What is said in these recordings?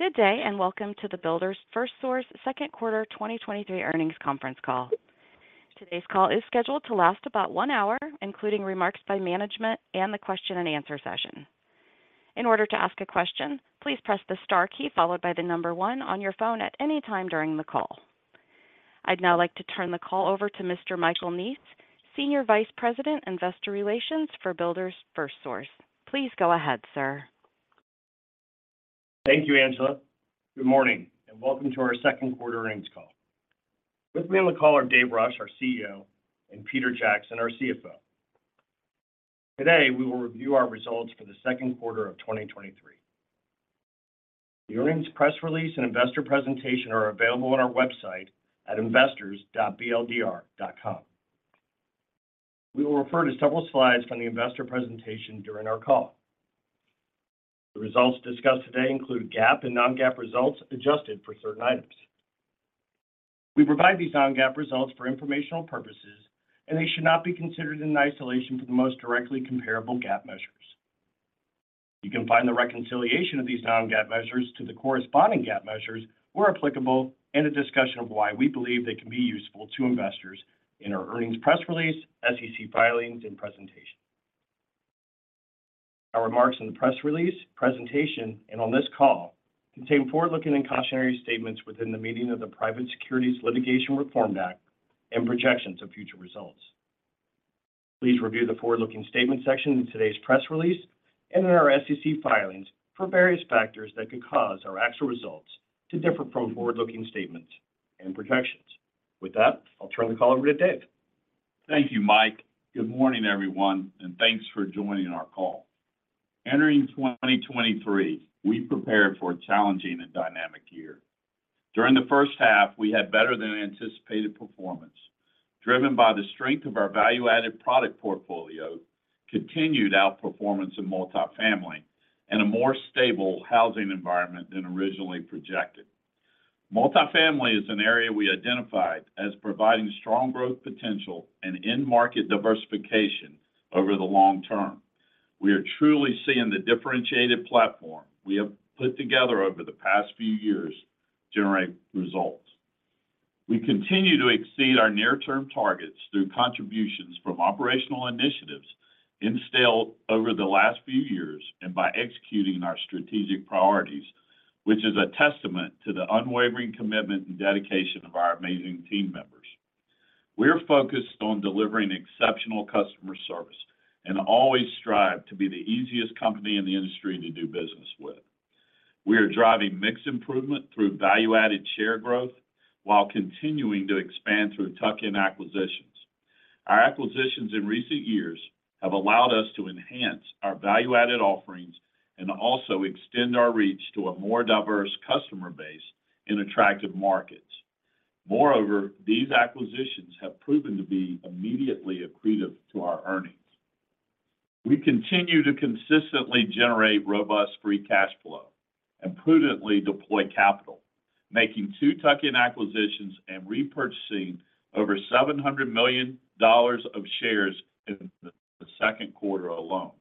Good day, welcome to the Builders FirstSource Second Quarter 2023 Earnings Conference Call. Today's call is scheduled to last about 1 hour, including remarks by management and the question and answer session. In order to ask a question, please press the star key followed by the 1 on your phone at any time during the call. I'd now like to turn the call over to Mr. Michael Neese, Senior Vice President, Investor Relations for Builders FirstSource. Please go ahead, sir. Thank you, Angela. Good morning, welcome to our second-quarter earnings call. With me on the call are Dave Rush, our CEO, and Peter Jackson, our CFO. Today, we will review our results for the second quarter of 2023. The earnings press release and investor presentation are available on our website at investors.bldr.com. We will refer to several slides from the investor presentation during our call. The results discussed today include GAAP and non-GAAP results, adjusted for certain items. We provide these non-GAAP results for informational purposes, they should not be considered in isolation for the most directly comparable GAAP measures. You can find the reconciliation of these non-GAAP measures to the corresponding GAAP measures, where applicable, and a discussion of why we believe they can be useful to investors in our earnings press release, SEC filings, and presentation. Our remarks in the press release, presentation, and on this call contain forward-looking and cautionary statements within the meaning of the Private Securities Litigation Reform Act of 1995 and projections of future results. Please review the forward-looking statement section in today's press release and in our SEC filings for various factors that could cause our actual results to differ from forward-looking statements and projections. With that, I'll turn the call over to Dave. Thank you, Mike. Good morning, everyone, and thanks for joining our call. Entering 2023, we prepared for a challenging and dynamic year. During the first half, we had better than anticipated performance, driven by the strength of our value-added product portfolio, continued outperformance in multifamily, and a more stable housing environment than originally projected. Multifamily is an area we identified as providing strong growth potential and end-market diversification over the long term. We are truly seeing the differentiated platform we have put together over the past few years generate results. We continue to exceed our near-term targets through contributions from operational initiatives instilled over the last few years and by executing our strategic priorities, which is a testament to the unwavering commitment and dedication of our amazing team members. We are focused on delivering exceptional customer service and always strive to be the easiest company in the industry to do business with. We are driving mix improvement through value-added share growth while continuing to expand through tuck-in acquisitions. Our acquisitions in recent years have allowed us to enhance our value-added offerings and also extend our reach to a more diverse customer base in attractive markets. Moreover, these acquisitions have proven to be immediately accretive to our earnings. We continue to consistently generate robust free cash flow and prudently deploy capital, making two tuck-in acquisitions and repurchasing over $700 million of shares in the second quarter alone.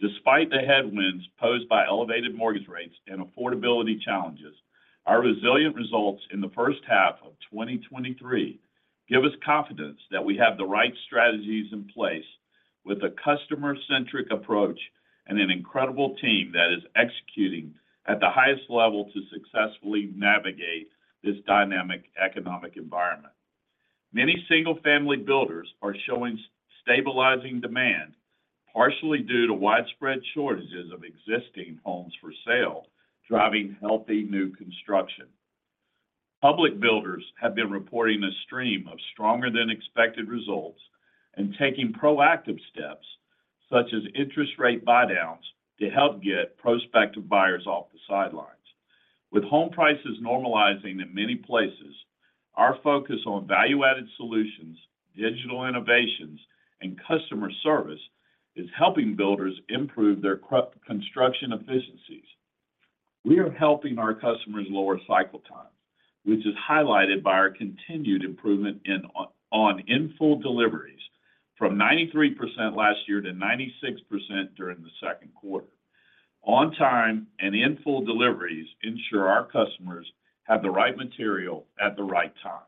Despite the headwinds posed by elevated mortgage rates and affordability challenges, our resilient results in the first half of 2023 give us confidence that we have the right strategies in place with a customer-centric approach and an incredible team that is executing at the highest level to successfully navigate this dynamic economic environment. Many single-family builders are showing stabilizing demand, partially due to widespread shortages of existing homes for sale, driving healthy new construction. Public builders have been reporting a stream of stronger-than-expected results and taking proactive steps, such as interest rate buydowns, to help get prospective buyers off the sidelines. With home prices normalizing in many places, our focus on value-added solutions, digital innovations, and customer service is helping builders improve their construction efficiencies. We are helping our customers lower cycle time, which is highlighted by our continued improvement in, on in-full deliveries from 93% last year to 96% during the second quarter. On-time and in-full deliveries ensure our customers have the right material at the right time.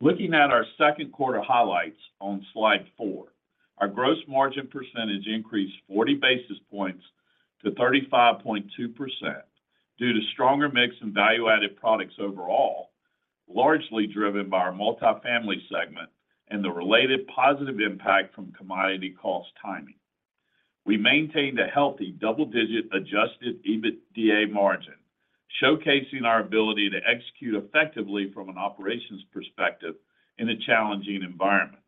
Looking at our second quarter highlights on slide four, our gross margin percentage increased 40 basis points to 35.2% due to stronger mix and value-added products overall, largely driven by our multifamily segment and the related positive impact from commodity cost timing. We maintained a healthy double-digit adjusted EBITDA margin, showcasing our ability to execute effectively from an operations perspective in a challenging environment.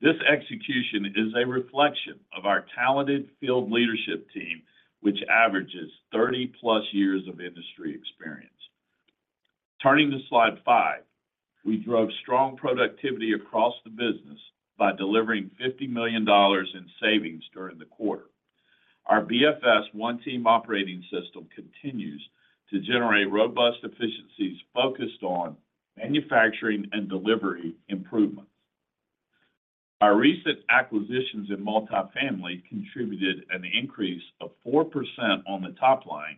This execution is a reflection of our talented field leadership team, which averages 30+ years of industry experience. Turning to slide five, we drove strong productivity across the business by delivering $50 million in savings during the quarter. Our BFS One Team operating system continues to generate robust efficiencies focused on manufacturing and delivery improvements. Our recent acquisitions in multifamily contributed an increase of 4% on the top line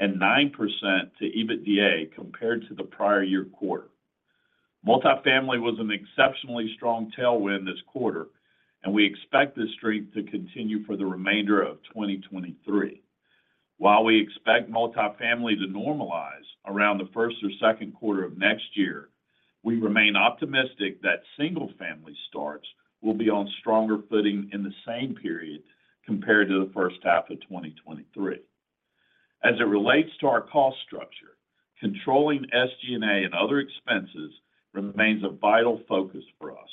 and 9% to EBITDA compared to the prior year quarter. Multifamily was an exceptionally strong tailwind this quarter, and we expect this strength to continue for the remainder of 2023. While we expect multifamily to normalize around the first or second quarter of next year, we remain optimistic that single-family starts will be on stronger footing in the same period compared to the first half of 2023. As it relates to our cost structure, controlling SG&A and other expenses remains a vital focus for us.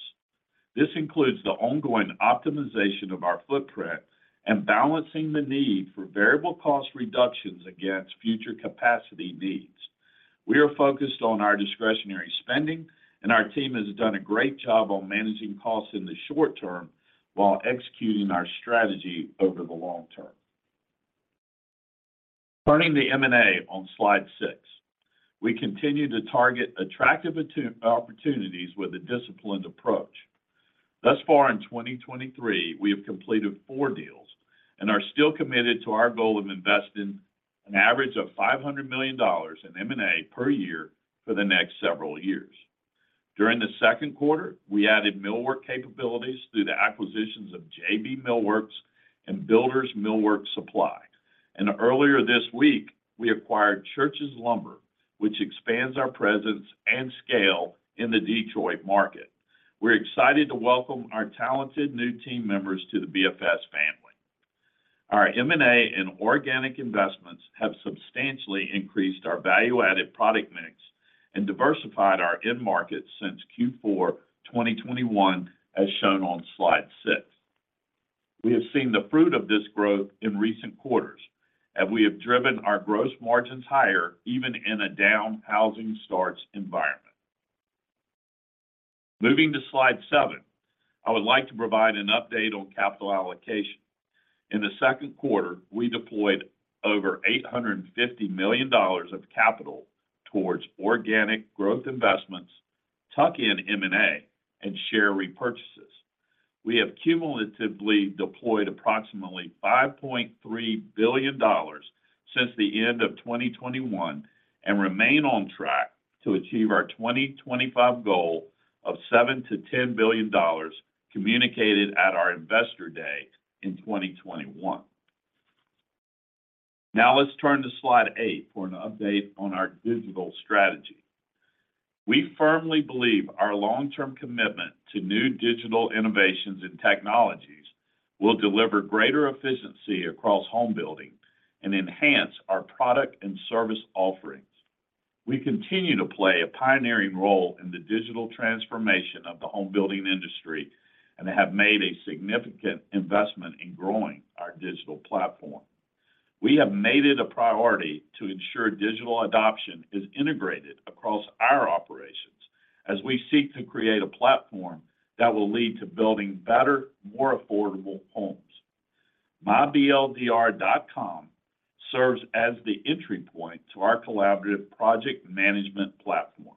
This includes the ongoing optimization of our footprint and balancing the need for variable cost reductions against future capacity needs. We are focused on our discretionary spending. Our team has done a great job on managing costs in the short term while executing our strategy over the long term. Turning to the M&A on slide six, we continue to target attractive opportunities with a disciplined approach. Thus far in 2023, we have completed four deals and are still committed to our goal of investing an average of $500 million in M&A per year for the next several years. During the second quarter, we added millwork capabilities through the acquisitions of JB Millworks and Builders Millwork Supply. Earlier this week, we acquired Church's Lumber, which expands our presence and scale in the Detroit market. We're excited to welcome our talented new team members to the BFS family. Our M&A and organic investments have substantially increased our value-added product mix and diversified our end markets since Q4 2021, as shown on slide 6. We have seen the fruit of this growth in recent quarters, and we have driven our gross margins higher even in a down housing starts environment. Moving to slide 7, I would like to provide an update on capital allocation. In the second quarter, we deployed over $850 million of capital towards organic growth investments, tuck-in M&A, and share repurchases. We have cumulatively deployed approximately $5.3 billion since the end of 2021 and remain on track to achieve our 2025 goal of $7 billion-$10 billion, communicated at our Investor Day in 2021. Now let's turn to slide eight for an update on our digital strategy. We firmly believe our long-term commitment to new digital innovations and technologies will deliver greater efficiency across home building and enhance our product and service offerings. We continue to play a pioneering role in the digital transformation of the home building industry and have made a significant investment in growing our digital platform. We have made it a priority to ensure digital adoption is integrated across our operations as we seek to create a platform that will lead to building better, more affordable homes. myBLDR.com serves as the entry point to our collaborative project management platform.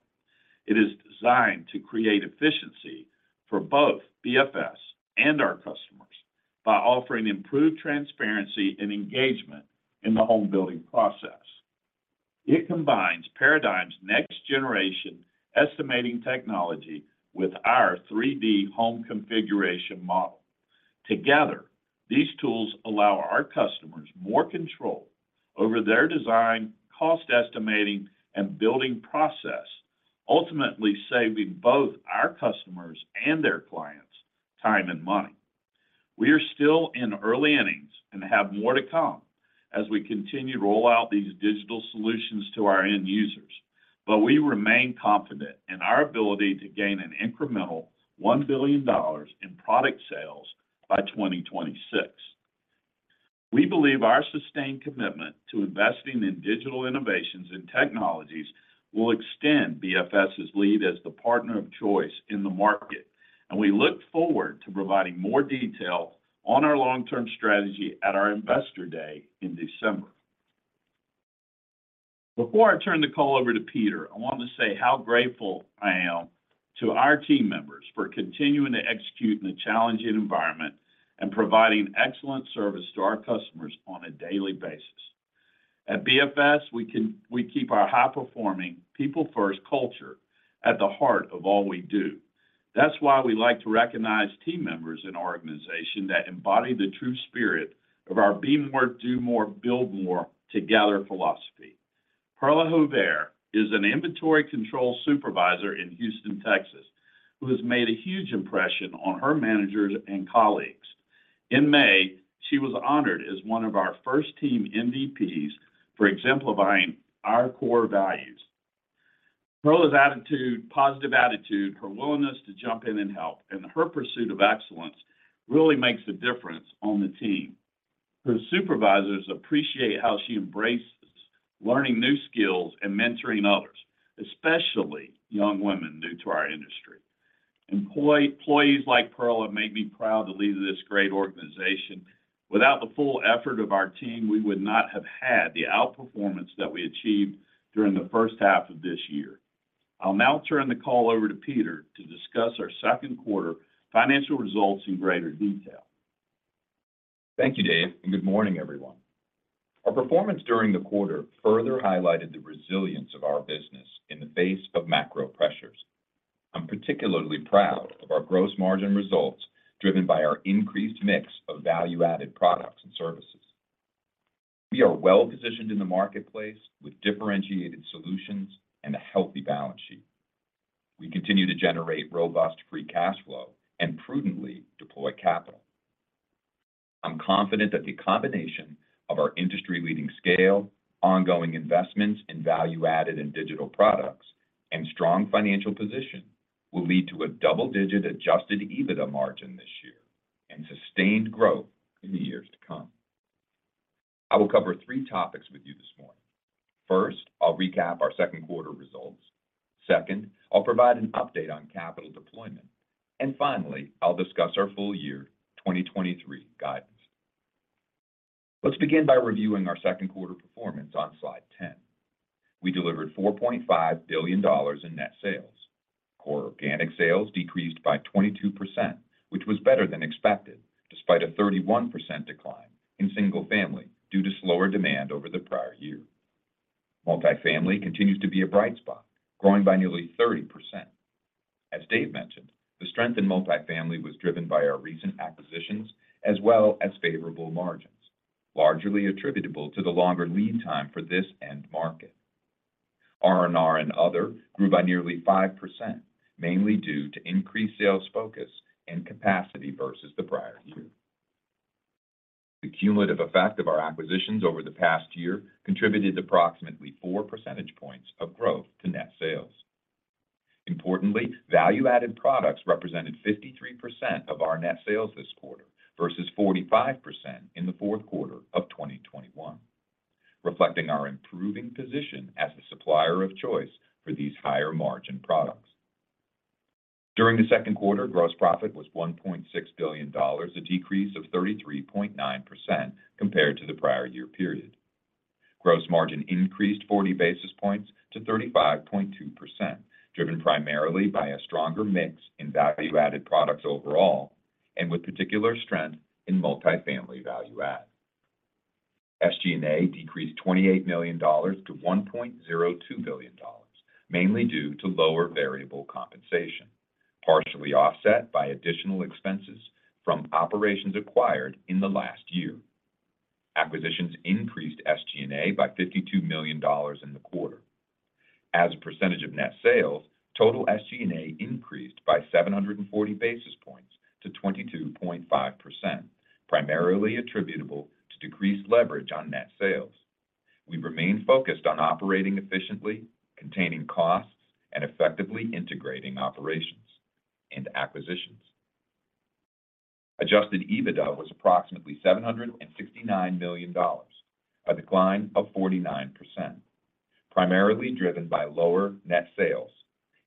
It is designed to create efficiency for both BFS and our customers by offering improved transparency and engagement in the home building process. It combines Paradigm's next generation estimating technology with our 3D Home Configuration model. Together, these tools allow our customers more control over their design, cost estimating, and building process, ultimately saving both our customers and their clients time and money. We are still in early innings and have more to come as we continue to roll out these digital solutions to our end users, but we remain confident in our ability to gain an incremental $1 billion in product sales by 2026. We believe our sustained commitment to investing in digital innovations and technologies will extend BFS's lead as the partner of choice in the market, and we look forward to providing more detail on our long-term strategy at our Investor Day in December. Before I turn the call over to Peter, I want to say how grateful I am to our team members for continuing to execute in a challenging environment and providing excellent service to our customers on a daily basis. At BFS, we keep our high-performing, people-first culture at the heart of all we do. That's why we like to recognize team members in our organization that embody the true spirit of our "Be More, Do More, Build More Together" philosophy. Perla Jover is an inventory control supervisor in Houston, Texas, who has made a huge impression on her managers and colleagues. In May, she was honored as one of our First Team MVPs for exemplifying our core values. Perla's attitude, positive attitude, her willingness to jump in and help, and her pursuit of excellence really makes a difference on the team. Her supervisors appreciate how she embraces learning new skills and mentoring others, especially young women new to our industry. Employees like Perla make me proud to lead this great organization. Without the full effort of our team, we would not have had the outperformance that we achieved during the first half of this year. I'll now turn the call over to Peter to discuss our second quarter financial results in greater detail. Thank you, Dave. Good morning, everyone. Our performance during the quarter further highlighted the resilience of our business in the face of macro pressures. I'm particularly proud of our gross margin results, driven by our increased mix of value-added products and services. We are well-positioned in the marketplace with differentiated solutions and a healthy balance sheet. We continue to generate robust free cash flow and prudently deploy capital. I'm confident that the combination of our industry-leading scale, ongoing investments in value-added and digital products, and strong financial position will lead to a double-digit adjusted EBITDA margin this year and sustained growth in the years to come. I will cover three topics with you this morning. First, I'll recap our second quarter results. Second, I'll provide an update on capital deployment. Finally, I'll discuss our full year 2023 guidance. Let's begin by reviewing our second quarter performance on slide 10. We delivered $4.5 billion in net sales. Core organic sales decreased by 22%, which was better than expected, despite a 31% decline in single-family due to slower demand over the prior year. Multifamily continues to be a bright spot, growing by nearly 30%. As Dave mentioned, the strength in multifamily was driven by our recent acquisitions as well as favorable margins, largely attributable to the longer lead time for this end market. R&R and other grew by nearly 5%, mainly due to increased sales focus and capacity versus the prior year. The cumulative effect of our acquisitions over the past year contributed approximately four percentage points of growth to net sales. Importantly, value-added products represented 53% of our net sales this quarter versus 45% in the fourth quarter of 2021, reflecting our improving position as a supplier of choice for these higher-margin products. During the second quarter, gross profit was $1.6 billion, a decrease of 33.9% compared to the prior year period. Gross margin increased 40 basis points to 35.2%, driven primarily by a stronger mix in value-added products overall and with particular strength in multifamily value add. SG&A decreased $28 million-$1.02 billion, mainly due to lower variable compensation, partially offset by additional expenses from operations acquired in the last year. Acquisitions increased SG&A by $52 million in the quarter. As a percentage of net sales, total SG&A increased by 740 basis points to 22.5%, primarily attributable to decreased leverage on net sales. We remain focused on operating efficiently, containing costs, and effectively integrating operations and acquisitions. Adjusted EBITDA was approximately $769 million, a decline of 49%, primarily driven by lower net sales,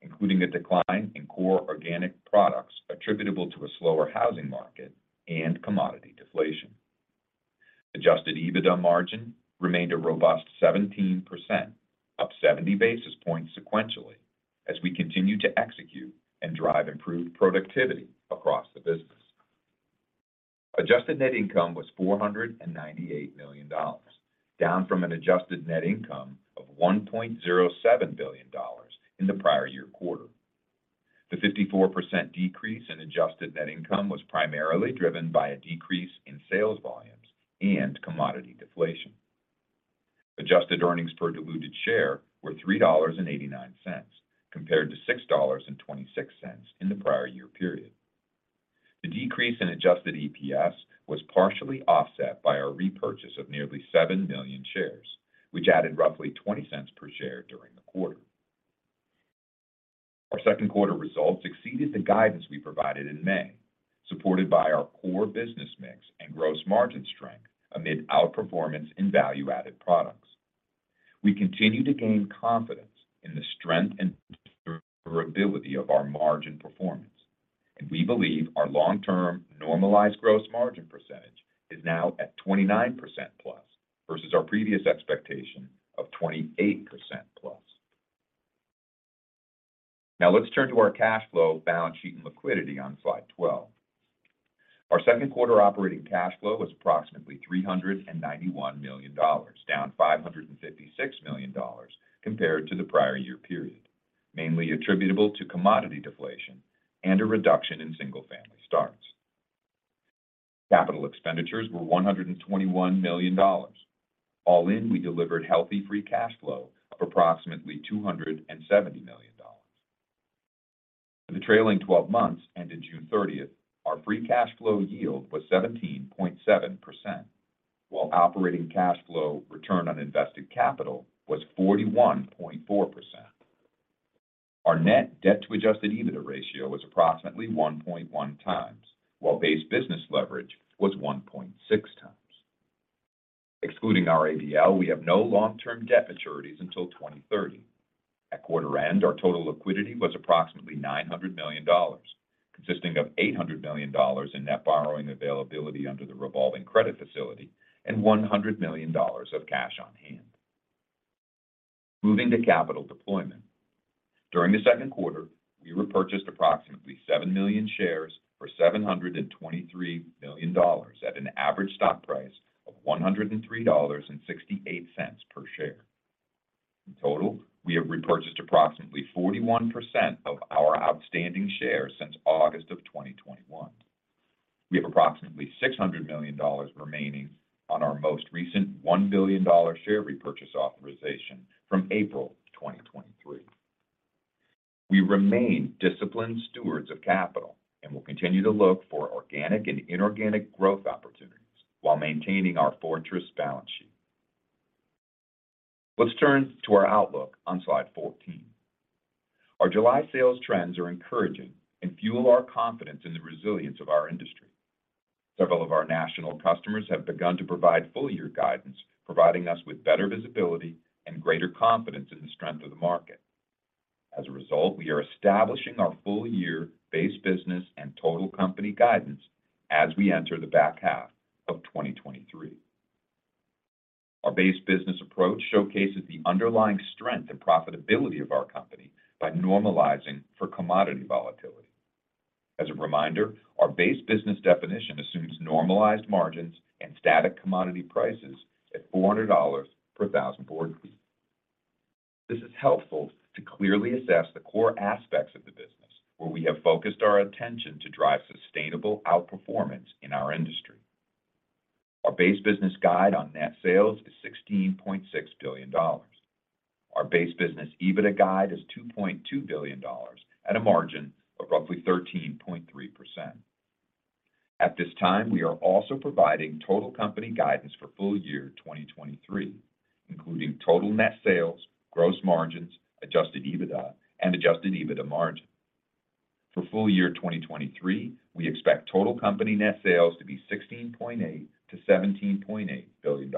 including the decline in core organic products attributable to a slower housing market and commodity deflation. Adjusted EBITDA margin remained a robust 17%, up 70 basis points sequentially as we continue to execute and drive improved productivity across the business. Adjusted net income was $498 million, down from an adjusted net income of $1.07 billion in the prior year quarter. The 54% decrease in adjusted net income was primarily driven by a decrease in sales volumes and commodity deflation. Adjusted earnings per diluted share were $3.89, compared to $6.26 in the prior year period. The decrease in adjusted EPS was partially offset by our repurchase of nearly 7 million shares, which added roughly $0.20 per share during the quarter. Our second quarter results exceeded the guidance we provided in May, supported by our core business mix and gross margin strength amid outperformance in value-added products. We continue to gain confidence in the strength and durability of our margin performance, and we believe our long-term normalized gross margin percentage is now at 29%+, versus our previous expectation of 28%+. Now let's turn to our cash flow, balance sheet, and liquidity on slide 12. Our second quarter operating cash flow was approximately $391 million, down $556 million compared to the prior year period, mainly attributable to commodity deflation and a reduction in single-family starts. Capital expenditures were $121 million. All in, we delivered healthy free cash flow of approximately $270 million. For the trailing twelve months ended June 30th, our free cash flow yield was 17.7%, while operating cash flow return on invested capital was 41.4%. Our net debt to adjusted EBITDA ratio was approximately 1.1x, while base business leverage was 1.6x. Excluding our ABL, we have no long-term debt maturities until 2030. At quarter end, our total liquidity was approximately $900 million, consisting of $800 million in net borrowing availability under the revolving credit facility and $100 million of cash on hand. Moving to capital deployment. During the second quarter, we repurchased approximately 7 million shares for $723 million, at an average stock price of $103.68 per share. In total, we have repurchased approximately 41% of our outstanding shares since August of 2021. We have approximately $600 million remaining on our most recent $1 billion share repurchase authorization from April 2023. We remain disciplined stewards of capital and will continue to look for organic and inorganic growth opportunities while maintaining our fortress balance sheet. Let's turn to our outlook on slide 14. Our July sales trends are encouraging and fuel our confidence in the resilience of our industry. Several of our national customers have begun to provide full year guidance, providing us with better visibility and greater confidence in the strength of the market. As a result, we are establishing our full year base business and total company guidance as we enter the back half of 2023. Our base business approach showcases the underlying strength and profitability of our company by normalizing for commodity volatility. As a reminder, our base business definition assumes normalized margins and static commodity prices at $400 per thousand board feet. This is helpful to clearly assess the core aspects of the business, where we have focused our attention to drive sustainable outperformance in our industry. Our base business guide on net sales is $16.6 billion. Our base business EBITDA guide is $2.2 billion, at a margin of roughly 13.3%. At this time, we are also providing total company guidance for full year 2023, including total net sales, gross margins, adjusted EBITDA and adjusted EBITDA margin. For full year 2023, we expect total company net sales to be $16.8 billion-$17.8 billion.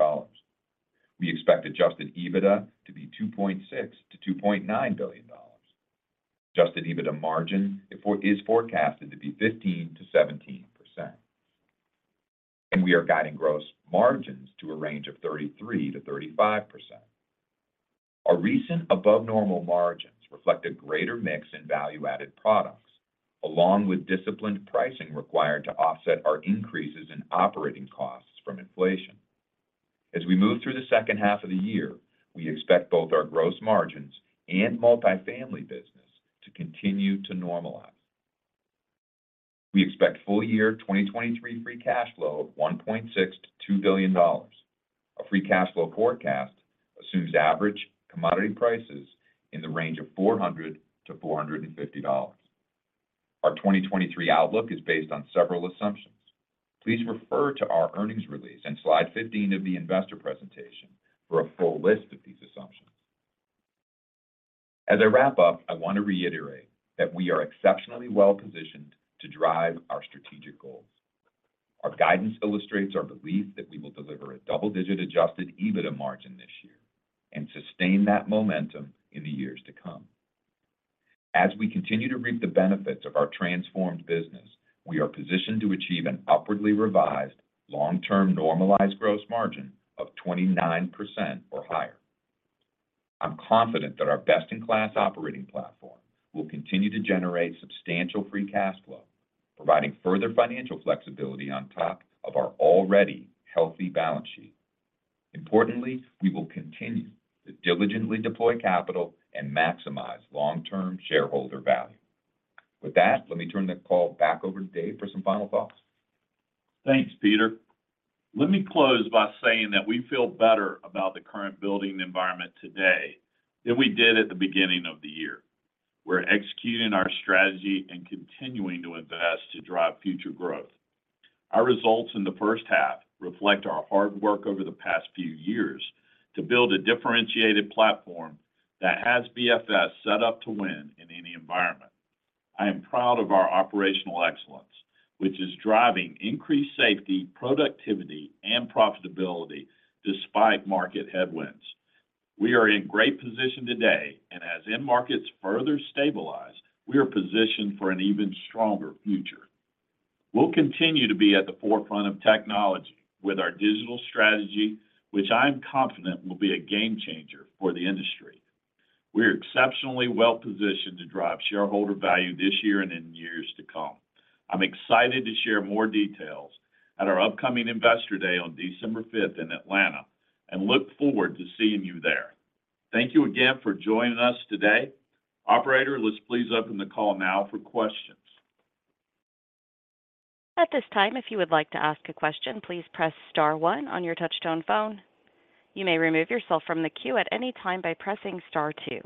We expect adjusted EBITDA to be $2.6 billion-$2.9 billion. Adjusted EBITDA margin is forecasted to be 15%-17%, and we are guiding gross margins to a range of 33%-35%. Our recent above-normal margins reflect a greater mix in value-added products, along with disciplined pricing required to offset our increases in operating costs from inflation. As we move through the second half of the year, we expect both our gross margins and multifamily business to continue to normalize. We expect full year 2023 free cash flow of $1.6 billion-$2 billion. Our free cash flow forecast assumes average commodity prices in the range of $400-$450. Our 2023 outlook is based on several assumptions. Please refer to our earnings release in slide 15 of the investor presentation for a full list of these assumptions. As I wrap up, I want to reiterate that we are exceptionally well positioned to drive our strategic goals. Our guidance illustrates our belief that we will deliver a double-digit adjusted EBITDA margin this year and sustain that momentum in the years to come. As we continue to reap the benefits of our transformed business, we are positioned to achieve an upwardly revised, long-term normalized gross margin of 29% or higher. I'm confident that our best-in-class operating platform will continue to generate substantial free cash flow, providing further financial flexibility on top of our already healthy balance sheet. Importantly, we will continue to diligently deploy capital and maximize long-term shareholder value. With that, let me turn the call back over to Dave for some final thoughts. Thanks, Peter. Let me close by saying that we feel better about the current building environment today than we did at the beginning of the year. We're executing our strategy and continuing to invest to drive future growth. Our results in the first half reflect our hard work over the past few years to build a differentiated platform that has BFS set up to win in any environment. I am proud of our operational excellence, which is driving increased safety, productivity, and profitability despite market headwinds. We are in great position today, and as end markets further stabilize, we are positioned for an even stronger future. We'll continue to be at the forefront of technology with our digital strategy, which I am confident will be a game changer for the industry. We are exceptionally well positioned to drive shareholder value this year and in years to come. I'm excited to share more details at our upcoming Investor Day on December 5th in Atlanta, and look forward to seeing you there. Thank you again for joining us today. Operator, let's please open the call now for questions. At this time, if you would like to ask a question, please press star one on your touchtone phone. You may remove yourself from the queue at any time by pressing star two.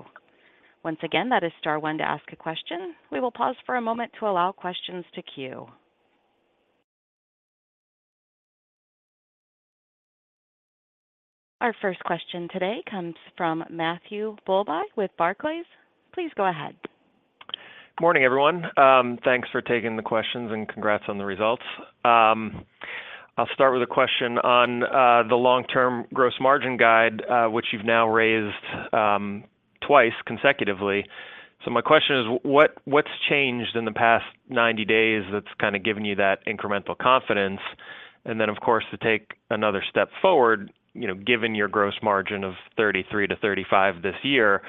Once again, that is star one to ask a question. We will pause for a moment to allow questions to queue. Our first question today comes from Matthew Bouley with Barclays. Please go ahead. Good morning, everyone. Thanks for taking the questions, and congrats on the results. I'll start with a question on the long-term gross margin guide, which you've now raised twice consecutively. My question is: what's changed in the past 90 days that's kinda given you that incremental confidence? Then, of course, to take another step forward, you know, given your gross margin of 33%-35% this year,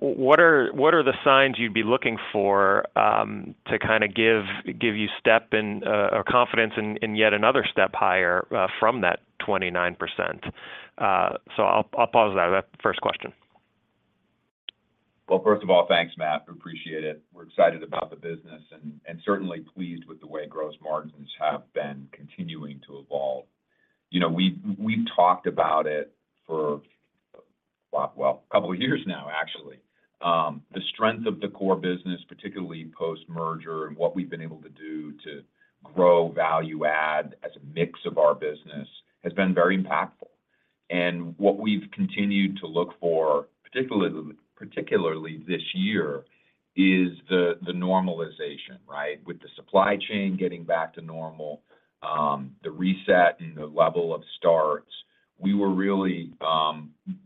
what are the signs you'd be looking for to kinda give you step and or confidence in yet another step higher from that 29%? I'll pause there. That's the first question. Well, first of all, thanks, Matt. We appreciate it. We're excited about the business and, and certainly pleased with the way gross margins have been continuing to evolve. You know, we've, we've talked about it for, well, well, a couple of years now, actually. The strength of the core business, particularly post-merger and what we've been able to do to grow value add as a mix of our business, has been very impactful. What we've continued to look for, particularly, particularly this year, is the, the normalization, right? With the supply chain getting back to normal, the reset and the level of starts. We were really,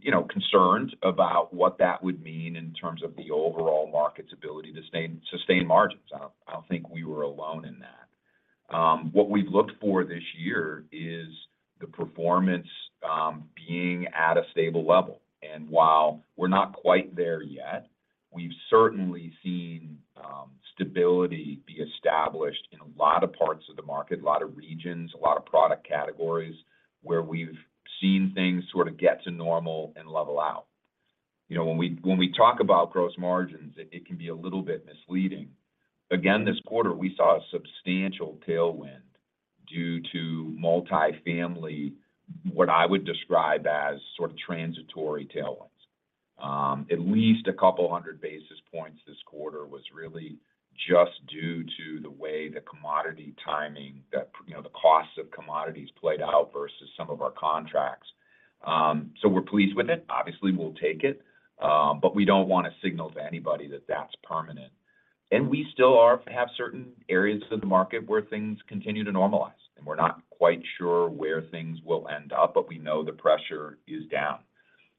you know, concerned about what that would mean in terms of the overall market's ability to sustain, sustain margins. I don't, I don't think we were alone in that. What we've looked for this year is the performance, being at a stable level. While we're not quite there yet, we've certainly seen stability be established in a lot of parts of the market, a lot of regions, a lot of product categories, where we've seen things sort of get to normal and level out. You know, when we, when we talk about gross margins, it, it can be a little bit misleading. Again, this quarter, we saw a substantial tailwind due to multifamily, what I would describe as sort of transitory tailwinds. At least a couple hundred basis points this quarter was really just due to the way the commodity timing, that, you know, the costs of commodities played out versus some of our contracts. We're pleased with it. Obviously, we'll take it, but we don't want to signal to anybody that that's permanent. We still have certain areas of the market where things continue to normalize, and we're not quite sure where things will end up, but we know the pressure is down.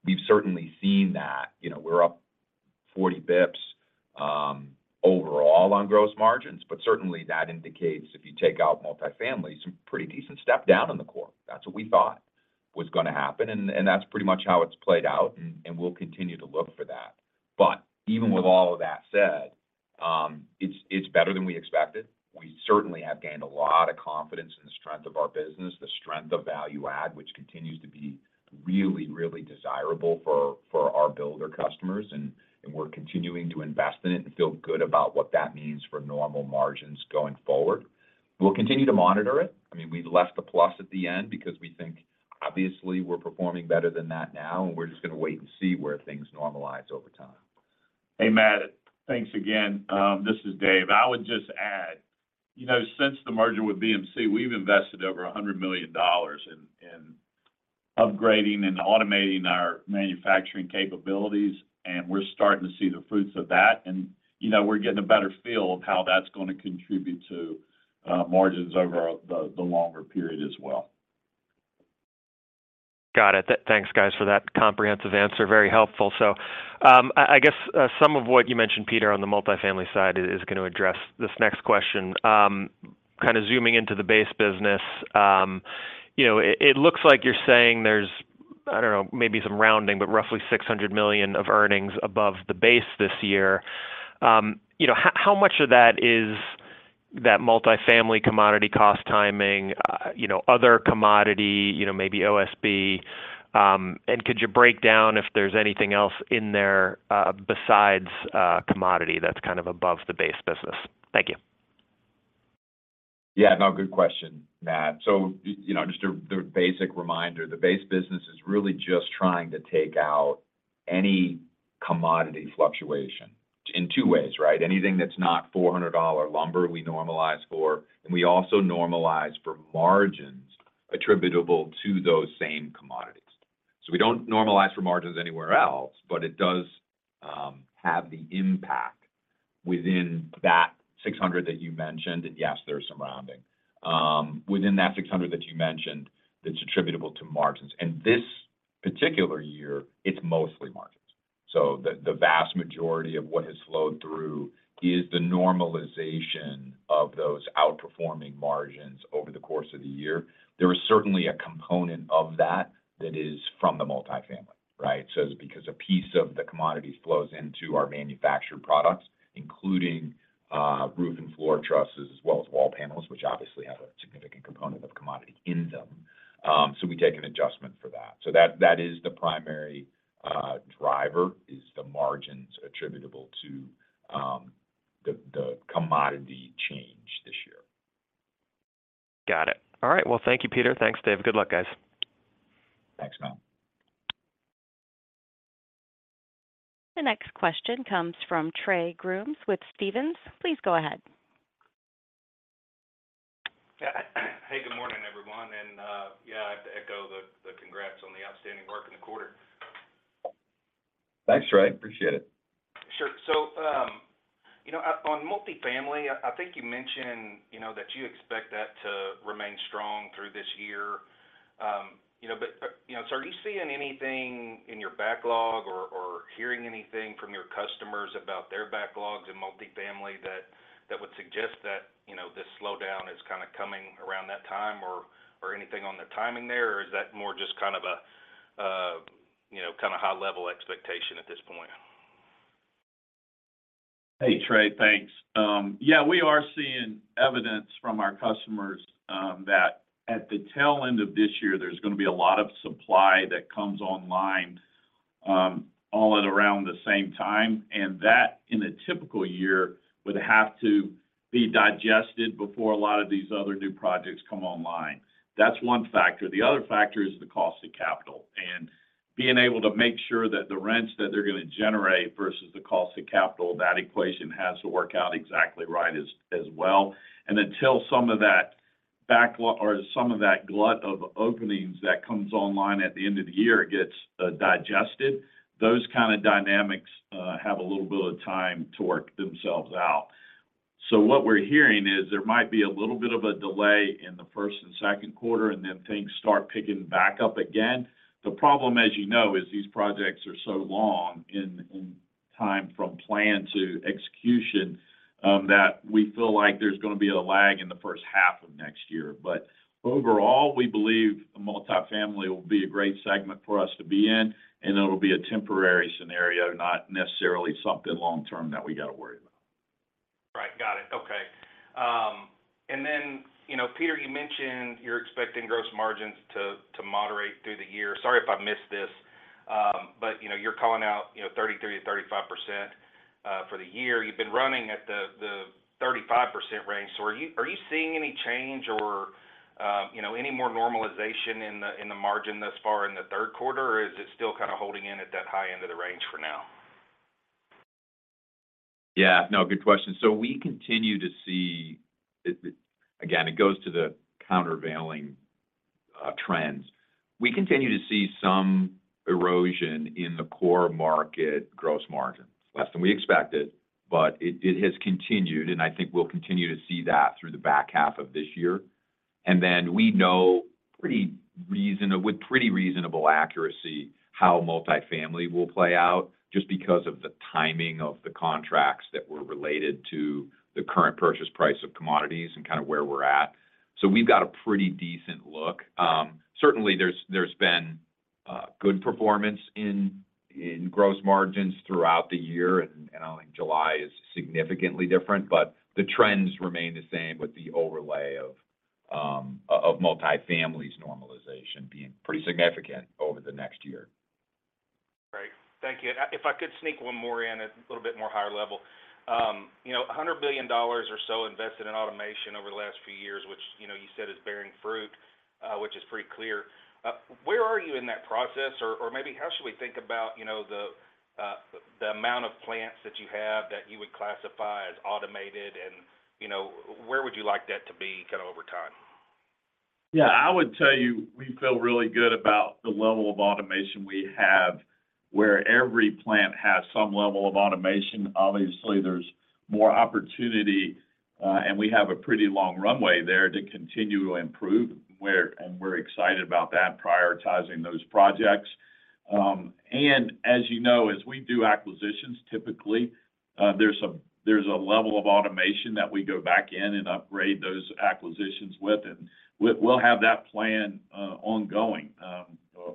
We've certainly seen that. You know, we're up 40 bps overall on gross margins, but certainly, that indicates, if you take out multifamily, some pretty decent step down in the core. That's what we thought was gonna happen, and that's pretty much how it's played out, and we'll continue to look for that. Even with all of that said, it's better than we expected. We certainly have gained a lot of confidence in the strength of our business, the strength of value add, which continues to be really, really desirable for, for our builder customers, and, and we're continuing to invest in it and feel good about what that means for normal margins going forward. We'll continue to monitor it. I mean, we left the plus at the end because we think obviously we're performing better than that now, and we're just gonna wait and see where things normalize over time. Hey, Matt. Thanks again. This is Dave. I would just add, you know, since the merger with BMC, we've invested over $100 million in, in upgrading and automating our manufacturing capabilities, and we're starting to see the fruits of that. You know, we're getting a better feel of how that's gonna contribute to margins over the, the longer period as well. Got it. Th-thanks, guys, for that comprehensive answer. Very helpful. I, I guess, some of what you mentioned, Peter, on the multifamily side is, is gonna address this next question. Kind of zooming into the base business, you know, it, it looks like you're saying there's, I don't know, maybe some rounding, but roughly $600 million of earnings above the base this year. You know, how, how much of that is that multifamily commodity cost timing, you know, other commodity, you know, maybe OSB? Could you break down if there's anything else in there, besides commodity that's kind of above the base business? Thank you. Yeah, no, good question, Matt. you know, just the, the basic reminder, the base business is really just trying to take out any commodity fluctuation in two ways, right? Anything that's not $400 lumber, we normalize for, and we also normalize for margins attributable to those same commodities. We don't normalize for margins anywhere else, but it does have the impact within that 600 that you mentioned, and yes, there's some rounding. Within that 600 that you mentioned, that's attributable to margins. And this particular year, it's mostly margins. The, the vast majority of what has flowed through is the normalization of those outperforming margins over the course of the year. There is certainly a component of that that is from the multifamily, right? Because a piece of the commodities flows into our manufactured products, including roof and floor trusses, as well as wall panels, which obviously have a significant component of commodity in them, so we take an adjustment for that. That, that is the primary driver, is the margins attributable to the commodity change this year. Got it. All right. Well, thank you, Peter. Thanks, Dave. Good luck, guys. Thanks, Matt. The next question comes from Trey Grooms with Stephens. Please go ahead. The congrats on the outstanding work in the quarter. Thanks, Trey. Appreciate it. Sure. you know, on multifamily, I, I think you mentioned, you know, that you expect that to remain strong through this year. you know, but, you know, so are you seeing anything in your backlog or, or hearing anything from your customers about their backlogs in multifamily that, that would suggest that, you know, this slowdown is kind of coming around that time, or, or anything on the timing there? is that more just kind of a, you know, kind of high-level expectation at this point? Hey, Trey. Thanks. Yeah, we are seeing evidence from our customers, that at the tail end of this year, there's gonna be a lot of supply that comes online, all at around the same time, and that, in a typical year, would have to be digested before a lot of these other new projects come online. That's one factor. The other factor is the cost of capital, and being able to make sure that the rents that they're gonna generate versus the cost of capital, that equation has to work out exactly right as, as well. Until some of that backlog or some of that glut of openings that comes online at the end of the year gets, digested, those kind of dynamics, have a little bit of time to work themselves out. What we're hearing is there might be a little bit of a delay in the first and second quarter, and then things start picking back up again. The problem, as you know, is these projects are so long in, in time from plan to execution, that we feel like there's gonna be a lag in the first half of next year. Overall, we believe multifamily will be a great segment for us to be in, and it'll be a temporary scenario, not necessarily something long-term that we gotta worry about. Right. Got it. Okay. You know, Peter, you mentioned you're expecting gross margins to, to moderate through the year. Sorry if I missed this, but, you know, you're calling out, you know, 33%-35% for the year. You've been running at the, the 35% range, so are you, are you seeing any change or, you know, any more normalization in the, in the margin thus far in the third quarter? Or is it still kind of holding in at that high end of the range for now? Yeah. No, good question. We continue to see again, it goes to the countervailing trends. We continue to see some erosion in the core market gross margins. Less than we expected, but it, it has continued, and I think we'll continue to see that through the back half of this year. We know pretty with pretty reasonable accuracy how multifamily will play out, just because of the timing of the contracts that were related to the current purchase price of commodities and kind of where we're at. We've got a pretty decent look. Certainly, there's, there's been good performance in, in gross margins throughout the year, and, and I think July is significantly different, but the trends remain the same with the overlay of multifamily's normalization being pretty significant over the next year. Great. Thank you. If I could sneak one more in at a little bit more higher level. you know, $100 billion or so invested in automation over the last few years, which, you know, you said is bearing fruit, which is pretty clear. Where are you in that process? Or, or maybe how should we think about, you know, the amount of plants that you have that you would classify as automated and, you know, where would you like that to be kind of over time? Yeah, I would tell you, we feel really good about the level of automation we have, where every plant has some level of automation. Obviously, there's more opportunity, and we have a pretty long runway there to continue to improve. We're, and we're excited about that, prioritizing those projects. As you know, as we do acquisitions, typically, there's a, there's a level of automation that we go back in and upgrade those acquisitions with, and we'll have that plan, ongoing.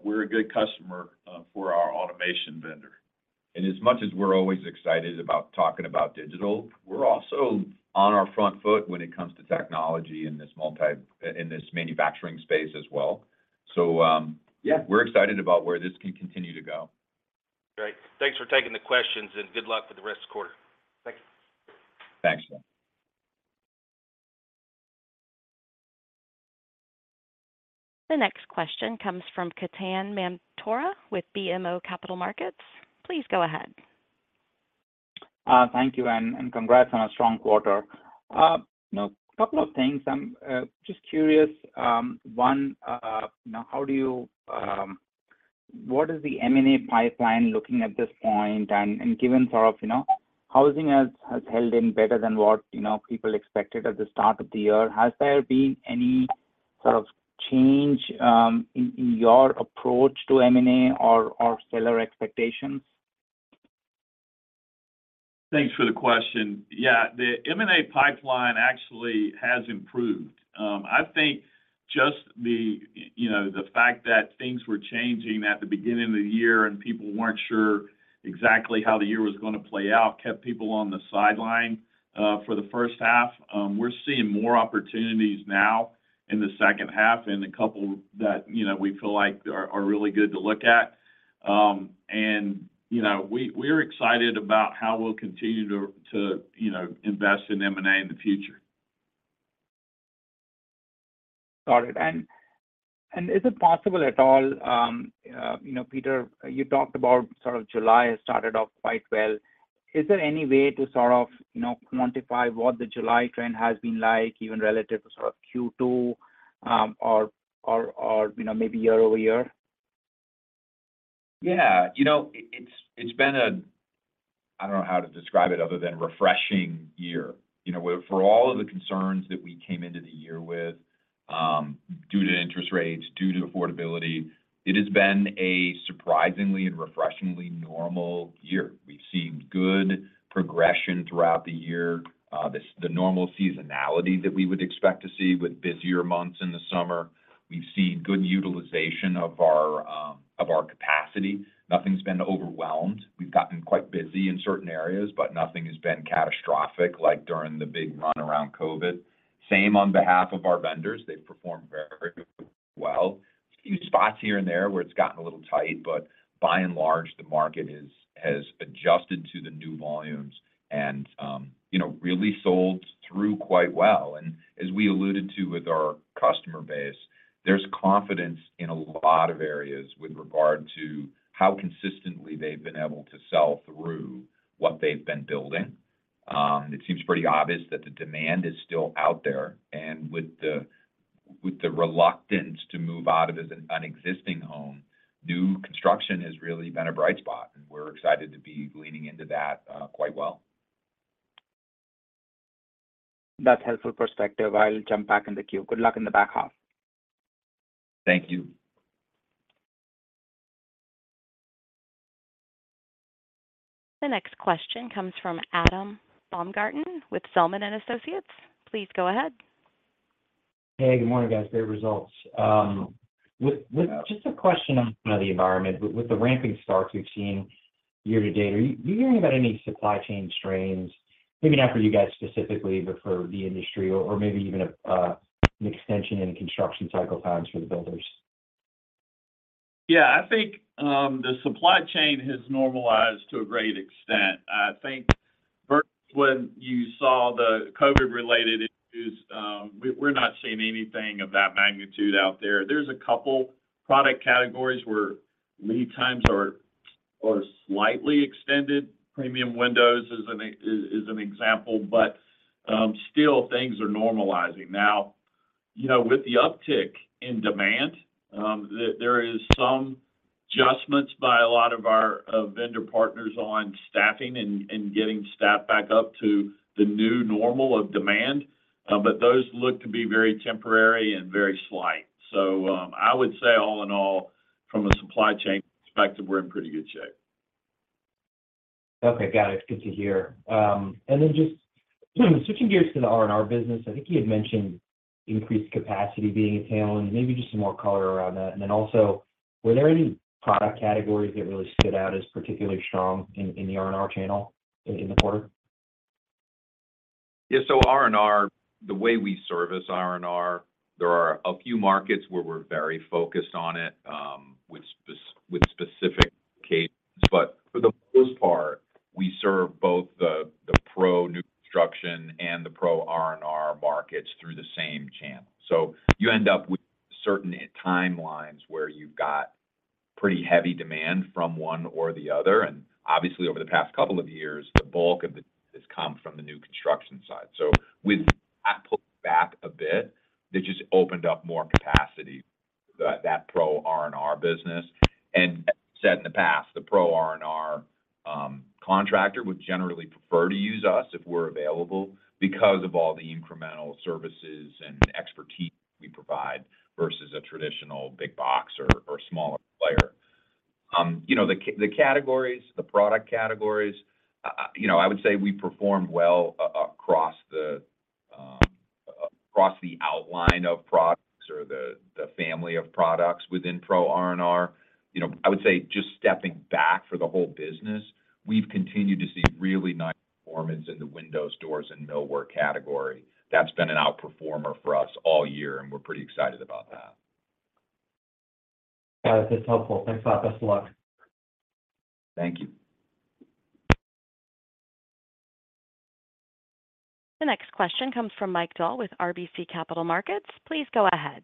We're a good customer for our automation vendor. As much as we're always excited about talking about digital, we're also on our front foot when it comes to technology in this manufacturing space as well. Yeah, we're excited about where this can continue to go. Great. Thanks for taking the questions, and good luck with the rest of the quarter. Thank you. Thanks. The next question comes from Ketan Mamtora with BMO Capital Markets. Please go ahead. Thank you, and, and congrats on a strong quarter. You know, couple of things. Just curious, one, now, how do you What is the M&A pipeline looking at this point? Given sort of, you know, housing has, has held in better than what, you know, people expected at the start of the year, has there been any sort of change, in, in your approach to M&A or, or seller expectations? Thanks for the question. Yeah, the M&A pipeline actually has improved. I think just the, you know, the fact that things were changing at the beginning of the year and people weren't sure exactly how the year was gonna play out, kept people on the sideline for the first half. We're seeing more opportunities now in the second half and a couple that, you know, we feel like are, are really good to look at. You know, we, we're excited about how we'll continue to, to, you know, invest in M&A in the future. Got it. Is it possible at all, you know, Peter, you talked about sort of July has started off quite well. Is there any way to sort of, you know, quantify what the July trend has been like, even relative to sort of Q2, or, or, or, you know, maybe year-over-year? Yeah. You know, it's, it's been a, I don't know how to describe it other than refreshing year. You know, where for all of the concerns that we came into the year with, due to interest rates, due to affordability, it has been a surprisingly and refreshingly normal year. We've seen good progression throughout the year, the normal seasonality that we would expect to see with busier months in the summer. We've seen good utilization of our, of our capacity. Nothing's been overwhelmed. We've gotten quite busy in certain areas, but nothing has been catastrophic, like during the big run around COVID. Same on behalf of our vendors. They've performed very well. A few spots here and there, where it's gotten a little tight, but by and large, the market has adjusted to the new volumes and, you know, really sold through quite well. As we alluded to with our customer base, there's confidence in a lot of areas with regard to how consistently they've been able to sell through what they've been building. It seems pretty obvious that the demand is still out there, and with the, with the reluctance to move out of an existing home, new construction has really been a bright spot, and we're excited to be leaning into that quite well. That's helpful perspective. I'll jump back in the queue. Good luck in the back half. Thank you. The next question comes from Adam Baumgarten, with Zelman & Associates. Please go ahead. Hey, good morning, guys. Great results. Just a question on the environment. With the ramping starts we've seen year-to-date, are you, are you hearing about any supply chain strains? Maybe not for you guys specifically, but for the industry or, or maybe even an extension in construction cycle times for the builders? Yeah, I think the supply chain has normalized to a great extent. I think versus when you saw the COVID-related issues, we're, we're not seeing anything of that magnitude out there. There's a couple product categories where lead times are, are slightly extended. Premium windows is an example, but still things are normalizing. Now, you know, with the uptick in demand, there, there is some adjustments by a lot of our vendor partners on staffing and, and getting staff back up to the new normal of demand, but those look to be very temporary and very slight. I would say, all in all, from a supply chain perspective, we're in pretty good shape. Okay, got it. Good to hear. Just switching gears to the R&R business, I think you had mentioned increased capacity being a tailwind, maybe just some more color around that. Were there any product categories that really stood out as particularly strong in, in the R&R channel in, in the quarter? Yeah. R&R, the way we service R&R, there are a few markets where we're very focused on it, with specific cases, but for the most part, we serve both the Pro new construction and the Pro R&R markets through the same channel. You end up with certain timelines where you've got pretty heavy demand from one or the other, and obviously, over the past two years, the bulk of it has come from the new construction side. With that pulled back a bit, it just opened up more capacity, that Pro R&R business. As I said in the past, the Pro R&R contractor would generally prefer to use us if we're available because of all the incremental services and expertise we provide versus a traditional big box or smaller player. You know, the categories, the product categories, you know, I would say we performed well across the across the outline of products or the family of products within Pro R&R. You know, I would say just stepping back for the whole business, we've continued to see really nice performance in the windows, doors, and millwork category. That's been an outperformer for us all year, and we're pretty excited about that. Got it. That's helpful. Thanks a lot. Best of luck. Thank you. The next question comes from Mike Dahl, with RBC Capital Markets. Please go ahead.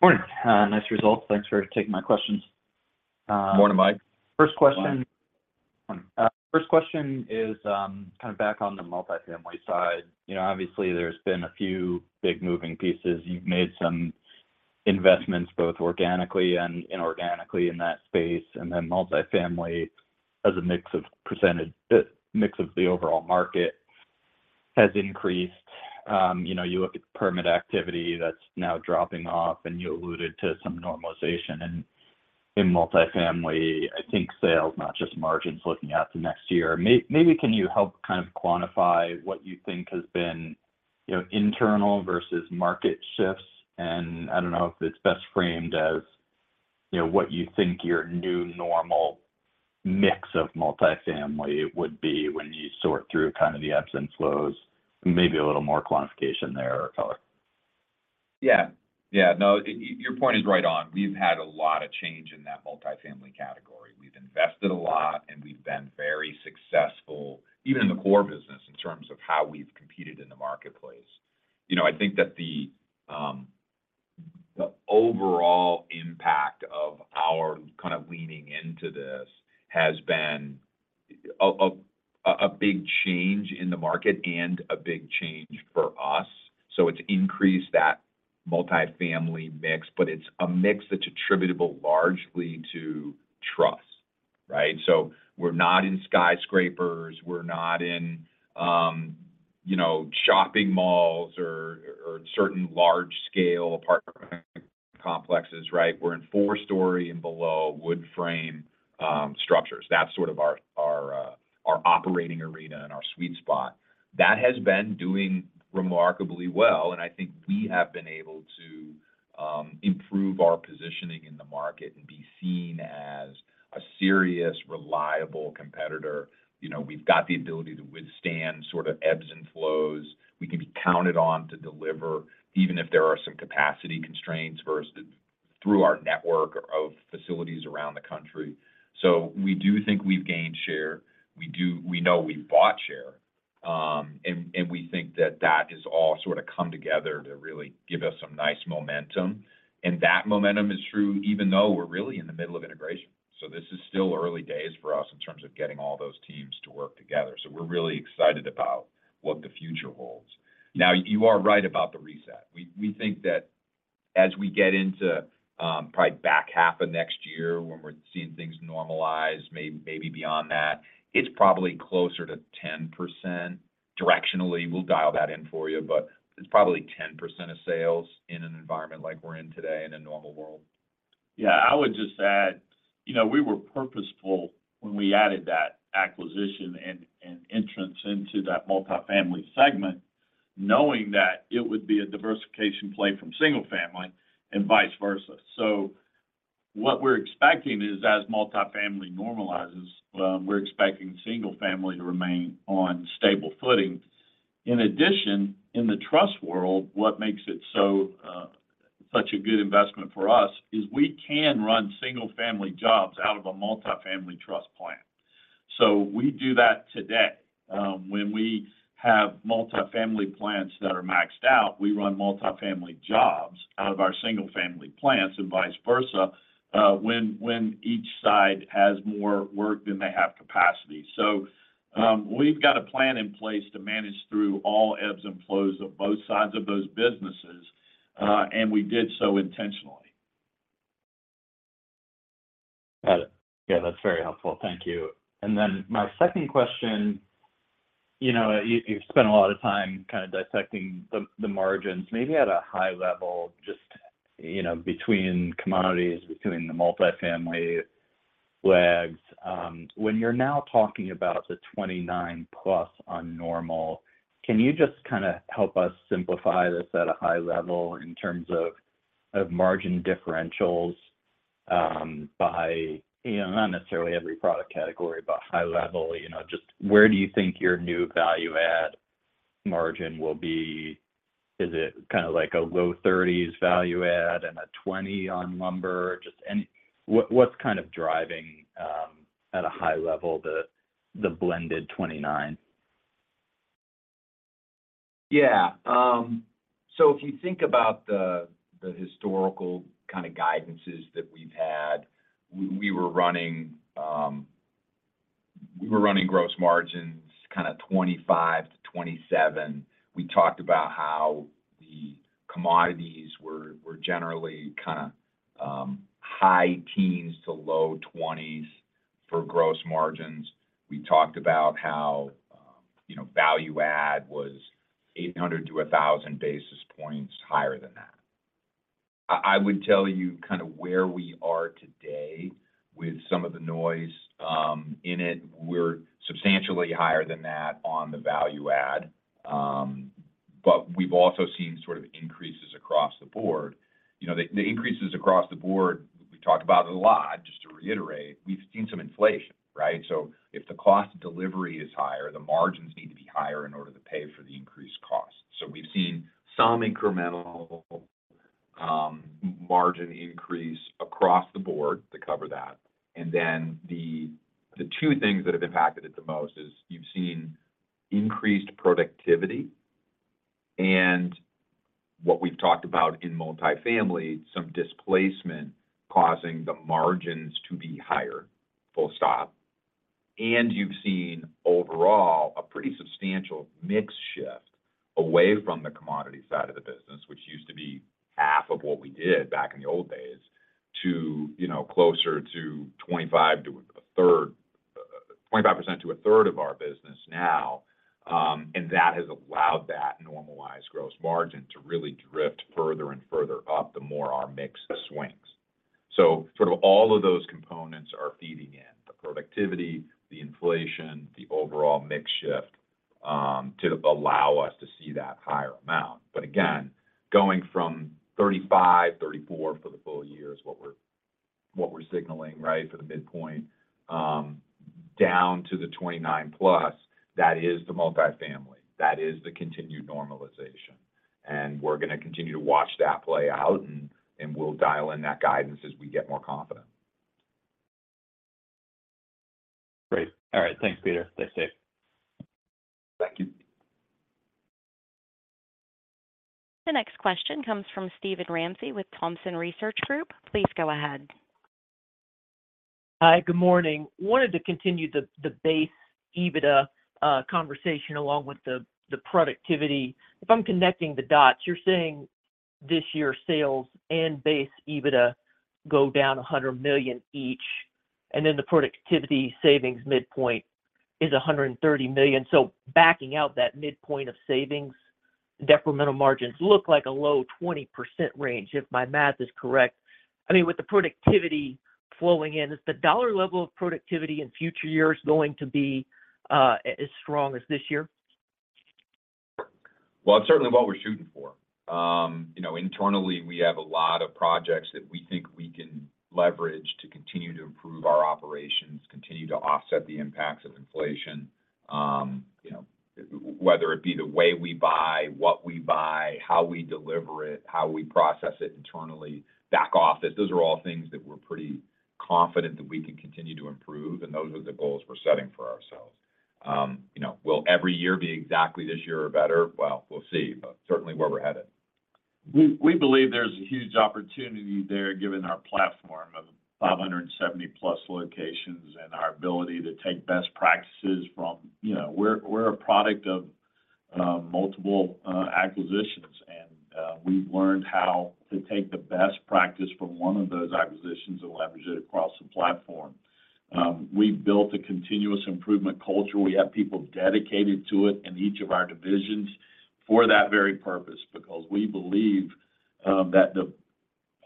Morning. nice results. Thanks for taking my questions. Morning, Mike. First question. Morning. First question is, kind of back on the multifamily side. You know, obviously, there's been a few big moving pieces. You've made some investments, both organically and inorganically in that space, and then multifamily as a mix of percentage, mix of the overall market has increased. You know, you look at the permit activity that's now dropping off, and you alluded to some normalization in, in multifamily, I think sales, not just margins, looking out to next year. Maybe can you help kind of quantify what you think has been, you know, internal versus market shifts? And I don't know if it's best framed as, you know, what you think your new normal mix of multifamily would be when you sort through kind of the ebbs and flows, maybe a little more quantification there or color? Yeah. Yeah, no, your point is right on. We've had a lot of change in that multifamily category. We've invested a lot, and we've been very successful, even in the core business, in terms of how we've competed in the marketplace. You know, I think that the... The overall impact of our kind of leaning into this has been a, a, a big change in the market and a big change for us. It's increased that multifamily mix, but it's a mix that's attributable largely to truss, right? We're not in skyscrapers, we're not in, you know, shopping malls or, or certain large-scale apartment complexes, right? We're in four-story and below wood frame structures. That's sort of our, our, our operating arena and our sweet spot. That has been doing remarkably well, and I think we have been able to improve our positioning in the market and be seen as a serious, reliable competitor. You know, we've got the ability to withstand sort of ebbs and flows. We can be counted on to deliver, even if there are some capacity constraints versus through our network of facilities around the country. We do think we've gained share. We know we've bought share, and we think that that has all sort of come together to really give us some nice momentum, and that momentum is true even though we're really in the middle of integration. This is still early days for us in terms of getting all those teams to work together. We're really excited about what the future holds. Now, you are right about the reset. We, we think that as we get into, probably back half of next year when we're seeing things normalize, maybe, maybe beyond that, it's probably closer to 10%. Directionally, we'll dial that in for you, but it's probably 10% of sales in an environment like we're in today in a normal world. Yeah, I would just add, you know, we were purposeful when we added that acquisition and, and entrance into that multifamily segment, knowing that it would be a diversification play from single-family and vice versa. What we're expecting is, as multifamily normalizes, we're expecting single-family to remain on stable footing. In addition, in the truss world, what makes it so such a good investment for us is we can run single-family jobs out of a multifamily truss plant. We do that today. When we have multifamily plants that are maxed out, we run multifamily jobs out of our single-family plants and vice versa, when, when each side has more work than they have capacity. We've got a plan in place to manage through all ebbs and flows of both sides of those businesses, and we did so intentionally. Got it. Yeah, that's very helpful. Thank you. Then my second question, you know, you, you've spent a lot of time kind of dissecting the, the margins, maybe at a high level, just, you know, between commodities, between the multifamily lags. When you're now talking about the 29% + on normal, can you just kind of help us simplify this at a high level in terms of, of margin differentials, by, you know, not necessarily every product category, but high level? You know, just where do you think your new value add margin will be? Is it kind of like a low-30s value-add and a 20 on lumber? Just what, what's kind of driving, at a high level, the, the blended 29%? Yeah. If you think about the, the historical kind of guidances that we've had, we, we were running, we were running gross margins, kind of 25%-27%. We talked about how the commodities were, were generally kind of, high-teens to low-20s for gross margins. We talked about how, you know, value add was 800-1,000 basis points higher than that. I, I would tell you kind of where we are today with some of the noise, in it, we're substantially higher than that on the value add. We've also seen sort of increases across the board. You know, the, the increases across the board, we've talked about it a lot. Just to reiterate, we've seen some inflation, right? If the cost of delivery is higher, the margins need to be higher in order to pay for the increased cost. We've seen some incremental, margin increase across the board to cover that. Then the, the two things that have impacted it the most is you've seen increased productivity and what we've talked about in multifamily, some displacement causing the margins to be higher, full stop. You've seen overall a pretty substantial mix shift away from the commodity side of the business, which used to be half of what we did back in the old days, to, you know, closer to 25, to a third, 25% to a third of our business now. That has allowed that normalized gross margin to really drift further and further up, the more our mix swings. Sort of all of those components are feeding in: the productivity, the inflation, the overall mix shift to allow us to see that higher amount. Again, going from 35, 34 for the full year is what we're, what we're signaling, right, for the midpoint down to the 29%+, that is the multifamily, that is the continued normalization. We're gonna continue to watch that play out, and, and we'll dial in that guidance as we get more confident. Great. All right, thanks, Peter. Stay safe. Thank you. The next question comes from Steven Ramsey with Thompson Research Group. Please go ahead. Hi, good morning. Wanted to continue the base EBITDA conversation along with the productivity. If I'm connecting the dots, you're saying this year's sales and base EBITDA go down $100 million each, and then the productivity savings midpoint is $130 million. Backing out that midpoint of savings, incremental margins look like a low-20% range, if my math is correct. I mean, with the productivity flowing in, is the dollar level of productivity in future years going to be as strong as this year? Well, it's certainly what we're shooting for. You know, internally, we have a lot of projects that we think we can leverage to continue to improve our operations, continue to offset the impacts of inflation. You know, whether it be the way we buy, what we buy, how we deliver it, how we process it internally, back office, those are all things that we're pretty confident that we can continue to improve, and those are the goals we're setting for ourselves. You know, will every year be exactly this year or better? Well, we'll see, but certainly, we're where we're headed. We, we believe there's a huge opportunity there, given our platform of 570+ locations and our ability to take best practices from, you know, we're, we're a product of multiple acquisitions, and we've learned how to take the best practice from 1 of those acquisitions and leverage it across the platform. We've built a continuous improvement culture. We have people dedicated to it in each of our divisions for that very purpose, because we believe that the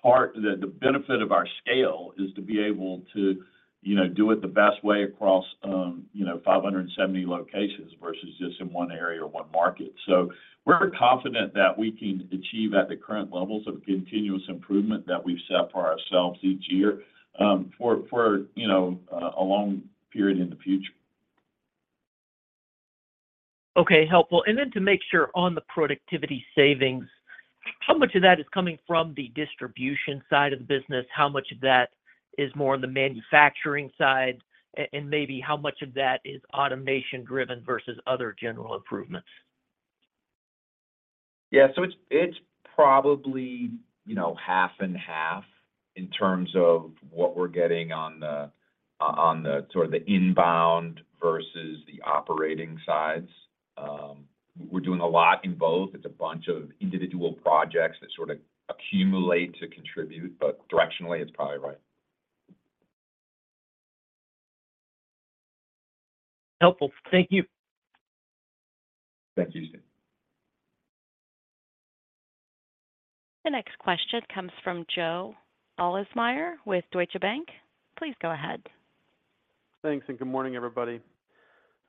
part that the benefit of our scale is to be able to, you know, do it the best way across, you know, 570 locations versus just in one area or one market. We're confident that we can achieve at the current levels of continuous improvement that we've set for ourselves each year, for, for, you know, a, a long period in the future. Okay, helpful. Then to make sure on the productivity savings, how much of that is coming from the distribution side of the business, how much of that is more on the manufacturing side, and maybe how much of that is automation driven versus other general improvements? Yeah, it's, it's probably, you know, half and half in terms of what we're getting on the, on the sort of the inbound versus the operating sides. We're doing a lot in both. It's a bunch of individual projects that sort of accumulate to contribute, directionally, it's probably right. Helpful. Thank you. Thank you, Steve. The next question comes from Joe Ahlersmeyer with Deutsche Bank. Please go ahead. Thanks, good morning, everybody.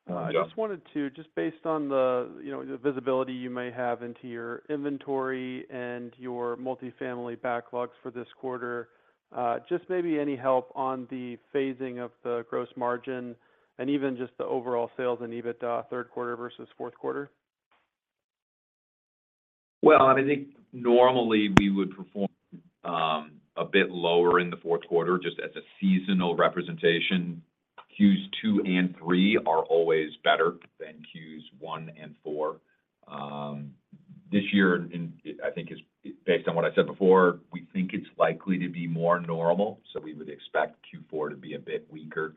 Good morning. I just wanted to, just based on the, you know, the visibility you may have into your inventory and your multifamily backlogs for this quarter, just maybe any help on the phasing of the gross margin and even just the overall sales and EBITDA third quarter versus fourth quarter? I think normally we would perform a bit lower in the fourth quarter, just as a seasonal representation. Qs two and three are always better than Qs one and four. This year, and I think is, based on what I said before, we think it's likely to be more normal, so we would expect Q4 to be a bit weaker.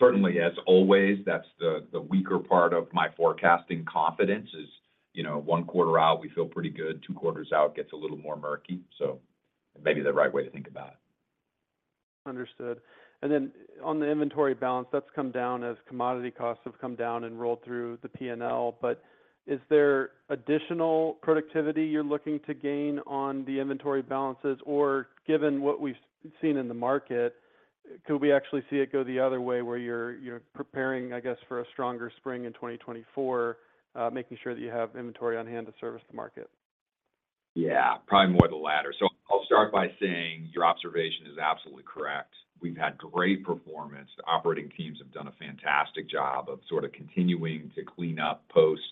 Certainly, as always, that's the, the weaker part of my forecasting confidence is, you know, one quarter out, we feel pretty good. Two quarters out, gets a little more murky. Maybe the right way to think about it. Understood. Then on the inventory balance, that's come down as commodity costs have come down and rolled through the P&L. Is there additional productivity you're looking to gain on the inventory balances? Given what we've seen in the market, could we actually see it go the other way, where you're preparing, I guess, for a stronger spring in 2024, making sure that you have inventory on hand to service the market? Yeah, probably more the latter. I'll start by saying your observation is absolutely correct. We've had great performance. The operating teams have done a fantastic job of sort of continuing to clean up post,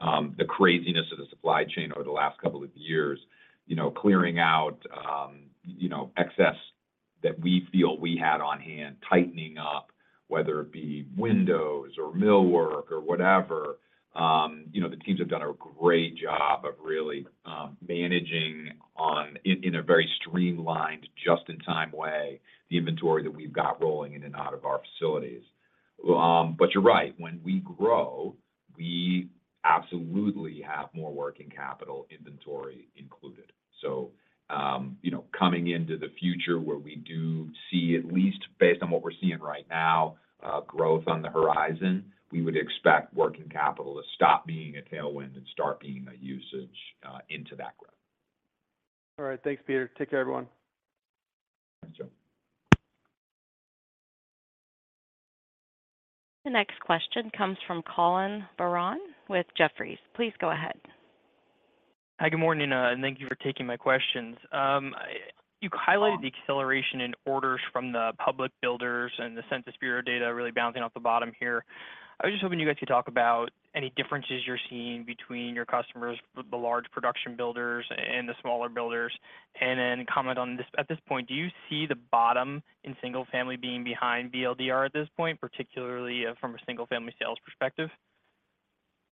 the craziness of the supply chain over the last couple of years. You know, clearing out, you know, excess that we feel we had on hand, tightening up, whether it be windows or millwork or whatever. You know, the teams have done a great job of really, managing on, in, in a very streamlined, just-in-time way, the inventory that we've got rolling in and out of our facilities. You're right, when we grow, we absolutely have more working capital, inventory included. You know, coming into the future where we do see, at least based on what we're seeing right now, growth on the horizon, we would expect working capital to stop being a tailwind and start being a usage into that growth. All right. Thanks, Peter. Take care, everyone. Thanks, Joe. The next question comes from Collin Verron with Jefferies. Please go ahead. Hi, good morning, and thank you for taking my questions. You highlighted the acceleration in orders from the public builders and the Census Bureau data really bouncing off the bottom here.I was just hoping you guys could talk about any differences you're seeing between your customers, with the large production builders and the smaller builders, and then comment on this, at this point, do you see the bottom in single-family being behind BLDR at this point, particularly, from a single-family sales perspective?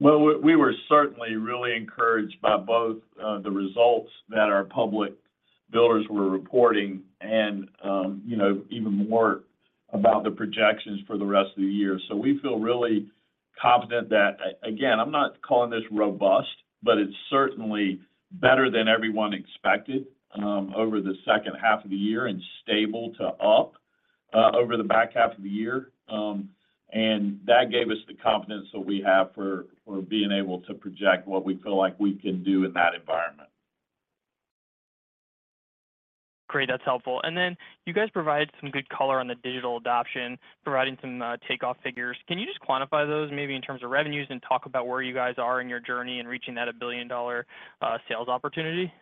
Well, we, we were certainly really encouraged by both, the results that our public builders were reporting and, you know, even more about the projections for the rest of the year. We feel really confident that, again, I'm not calling this robust, but it's certainly better than everyone expected, over the second half of the year and stable to up, over the back half of the year. That gave us the confidence that we have for, for being able to project what we feel like we can do in that environment. Great, that's helpful. Then you guys provided some good color on the digital adoption, providing some, takeoff figures. Can you just quantify those, maybe in terms of revenues, and talk about where you guys are in your journey in reaching that $1 billion, sales opportunity?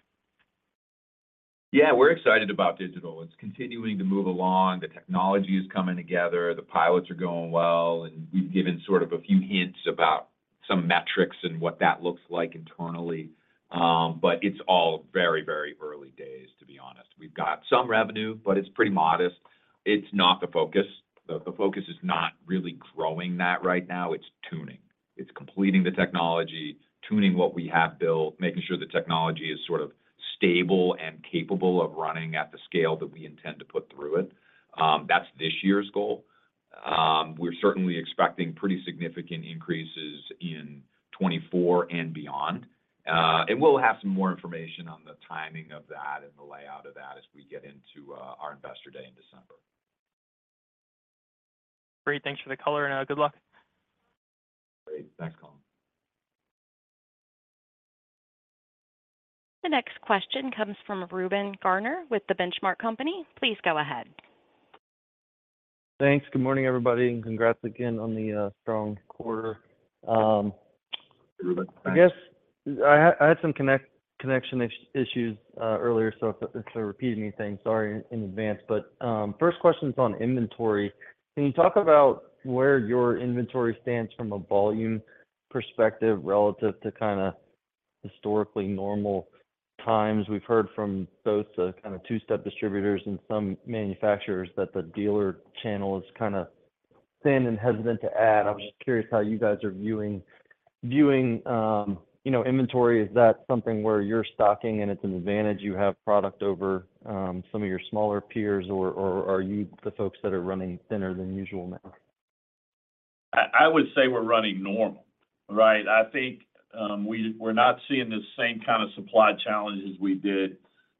Yeah, we're excited about digital. It's continuing to move along. The technology is coming together, the pilots are going well, and we've given sort of a few hints about some metrics and what that looks like internally. It's all very, very early days, to be honest. We've got some revenue, but it's pretty modest. It's not the focus. The, the focus is not really growing that right now, it's tuning. It's completing the technology, tuning what we have built, making sure the technology is sort of stable and capable of running at the scale that we intend to put through it. That's this year's goal. We're certainly expecting pretty significant increases in 2024 and beyond. We'll have some more information on the timing of that and the layout of that as we get into our Investor Day in December. Great. Thanks for the color, and, good luck. Great. Thanks, Colin. The next question comes from Reuben Garner with The Benchmark Company. Please go ahead. Thanks. Good morning, everybody, and congrats again on the strong quarter. Hey, Reuben. I guess I had, I had some connection issues earlier, so if I repeat anything, sorry in advance. First question is on inventory. Can you talk about where your inventory stands from a volume perspective relative to kind of historically normal times? We've heard from both the kind of two-step distributors and some manufacturers that the dealer channel is kind of thin and hesitant to add. I'm just curious how you guys are viewing, you know, inventory. Is that something where you're stocking and it's an advantage you have product over some of your smaller peers, or, or are you the folks that are running thinner than usual now? I, I would say we're running normal, right? I think we're not seeing the same kind of supply challenges we did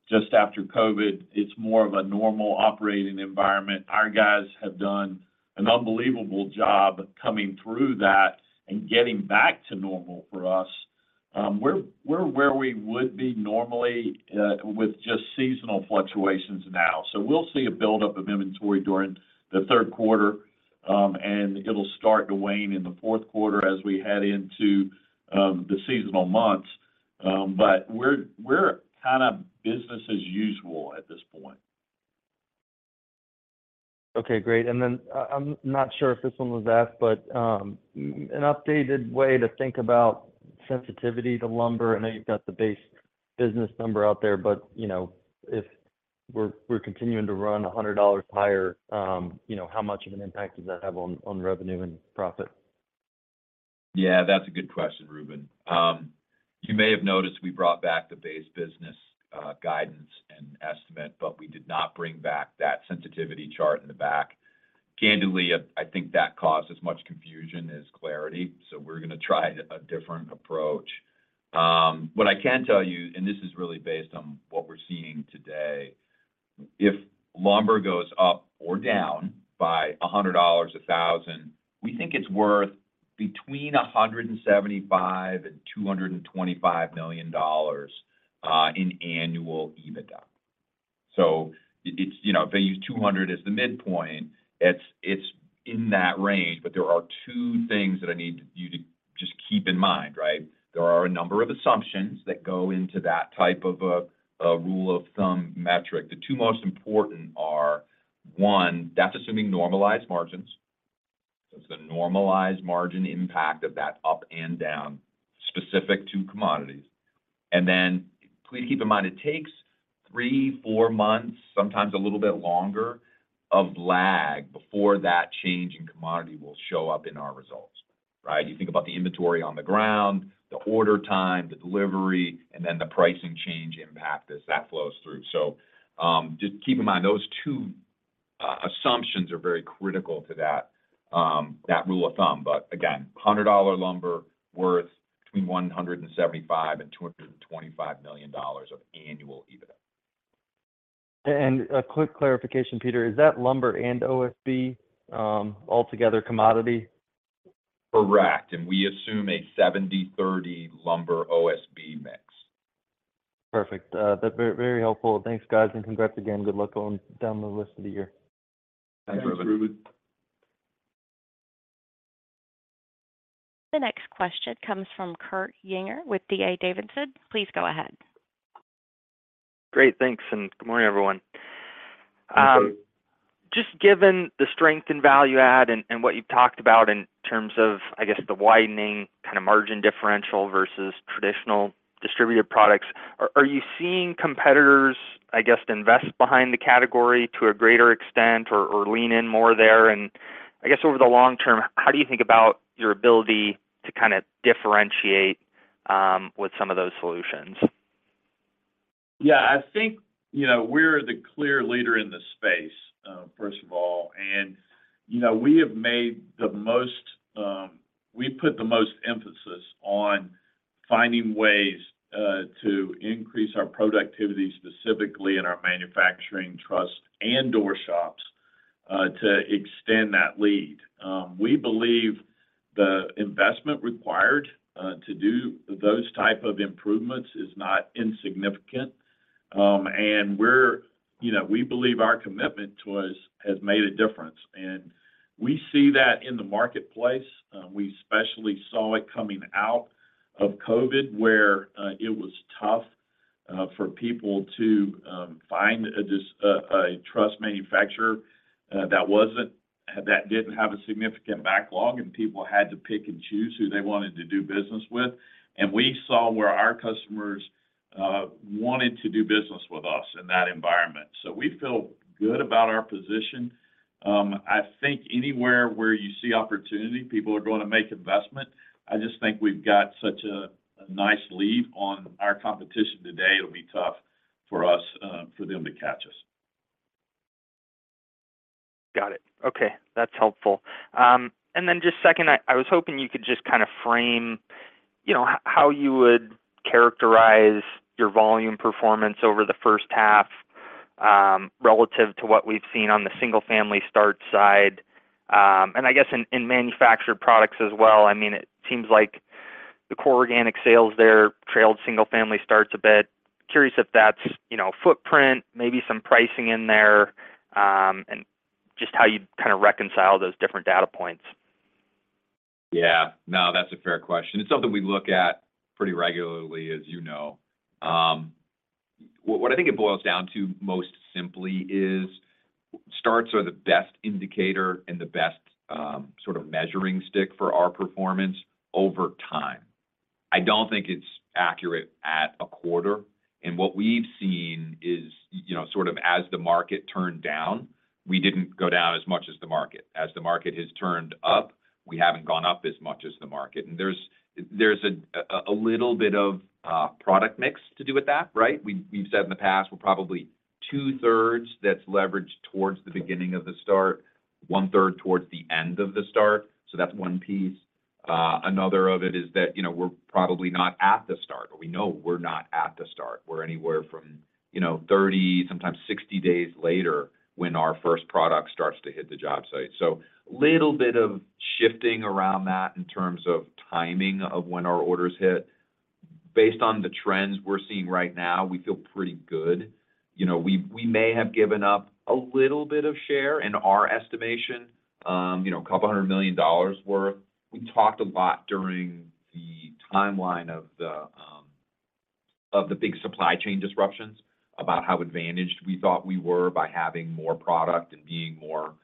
just after COVID. It's more of a normal operating environment. Our guys have done an unbelievable job coming through that and getting back to normal for us. We're, we're where we would be normally with just seasonal fluctuations now. We'll see a buildup of inventory during the third quarter, and it'll start to wane in the fourth quarter as we head into the seasonal months. We're, we're kind of business as usual at this point. Okay, great. Then I, I'm not sure if this one was asked, but an updated way to think about sensitivity to lumber. I know you've got the base business number out there, but, you know, if we're, we're continuing to run $100 higher, you know, how much of an impact does that have on, on revenue and profit? Yeah, that's a good question, Reuben. You may have noticed we brought back the base business guidance and estimate, but we did not bring back that sensitivity chart in the back. Candidly, I, I think that caused as much confusion as clarity, so we're going to try a different approach. What I can tell you, and this is really based on what we're seeing today, if lumber goes up or down by $100, $1,000, we think it's worth between $175 million and $225 million in annual EBITDA. You know, if I use 200 as the midpoint, it's, it's in that range, but there are two things that I need you to just keep in mind, right? There are a number of assumptions that go into that type of a, a rule of thumb metric. The two most important are, one, that's assuming normalized margins. It's the normalized margin impact of that up and down, specific to commodities. Then please keep in mind, it takes three, four months, sometimes a little bit longer, of lag before that change in commodity will show up in our results, right? You think about the inventory on the ground, the order time, the delivery, and then the pricing change impact as that flows through. Just keep in mind, those two assumptions are very critical to that rule of thumb. Again, $100 lumber worth between $175 million and $225 million of annual EBITDA. A quick clarification, Peter. Is that lumber and OSB altogether commodity? Correct. We assume a 70/30 lumber OSB mix. Perfect. That's very, very helpful. Thanks, guys, and congrats again. Good luck on down the rest of the year. Thanks, Reuben. The next question comes from Kurt Yinger with D.A. Davidson. Please go ahead. Great, thanks, and good morning, everyone. Just given the strength in value add and, and what you've talked about in terms of, I guess, the widening kind of margin differential versus traditional distributed products, are, are you seeing competitors, I guess, invest behind the category to a greater extent or, or lean in more there? I guess over the long term, how do you think about your ability to kind of differentiate with some of those solutions? Yeah, I think, you know, we're the clear leader in this space, first of all, and, you know, we have made the most, we've put the most emphasis on finding ways to increase our productivity, specifically in our manufacturing truss and door shops, to extend that lead. We believe the investment required to do those type of improvements is not insignificant. You know, we believe our commitment to us has made a difference, and we see that in the marketplace. We especially saw it coming out of COVID, where it was tough for people to find a truss manufacturer that wasn't that didn't have a significant backlog, and people had to pick and choose who they wanted to do business with. We saw where our customers wanted to do business with us in that environment. We feel good about our position. I think anywhere where you see opportunity, people are going to make investment. I just think we've got such a nice lead on our competition today. It'll be tough for us for them to catch us. Got it. Okay, that's helpful. Then just second, I, I was hoping you could just kind of frame, you know, how you would characterize your volume performance over the first half, relative to what we've seen on the single-family start side, and I guess in, in manufactured products as well. I mean, it seems like the core organic sales there trailed single-family starts a bit. Curious if that's, you know, footprint, maybe some pricing in there, and just how you'd kind of reconcile those different data points. Yeah. No, that's a fair question. It's something we look at pretty regularly, as you know. What, what I think it boils down to, most simply, is starts are the best indicator and the best sort of measuring stick for our performance over time. I don't think it's accurate at a quarter, and what we've seen is, you know, sort of as the market turned down, we didn't go down as much as the market. As the market has turned up, we haven't gone up as much as the market, and there's, there's a, a, a little bit of product mix to do with that, right? We've, we've said in the past, we're probably two-thirds that's leveraged towards the beginning of the start, one-third towards the end of the start. That's one piece. Another of it is that, you know, we're probably not at the start, or we know we're not at the start. We're anywhere from, you know, 30, sometimes 60 days later when our first product starts to hit the job site. Little bit of shifting around that in terms of timing of when our orders hit. Based on the trends we're seeing right now, we feel pretty good. You know, we, we may have given up a little bit of share in our estimation, you know, $200 million worth. We talked a lot during the timeline of the big supply chain disruptions about how advantaged we thought we were by having more product and being more,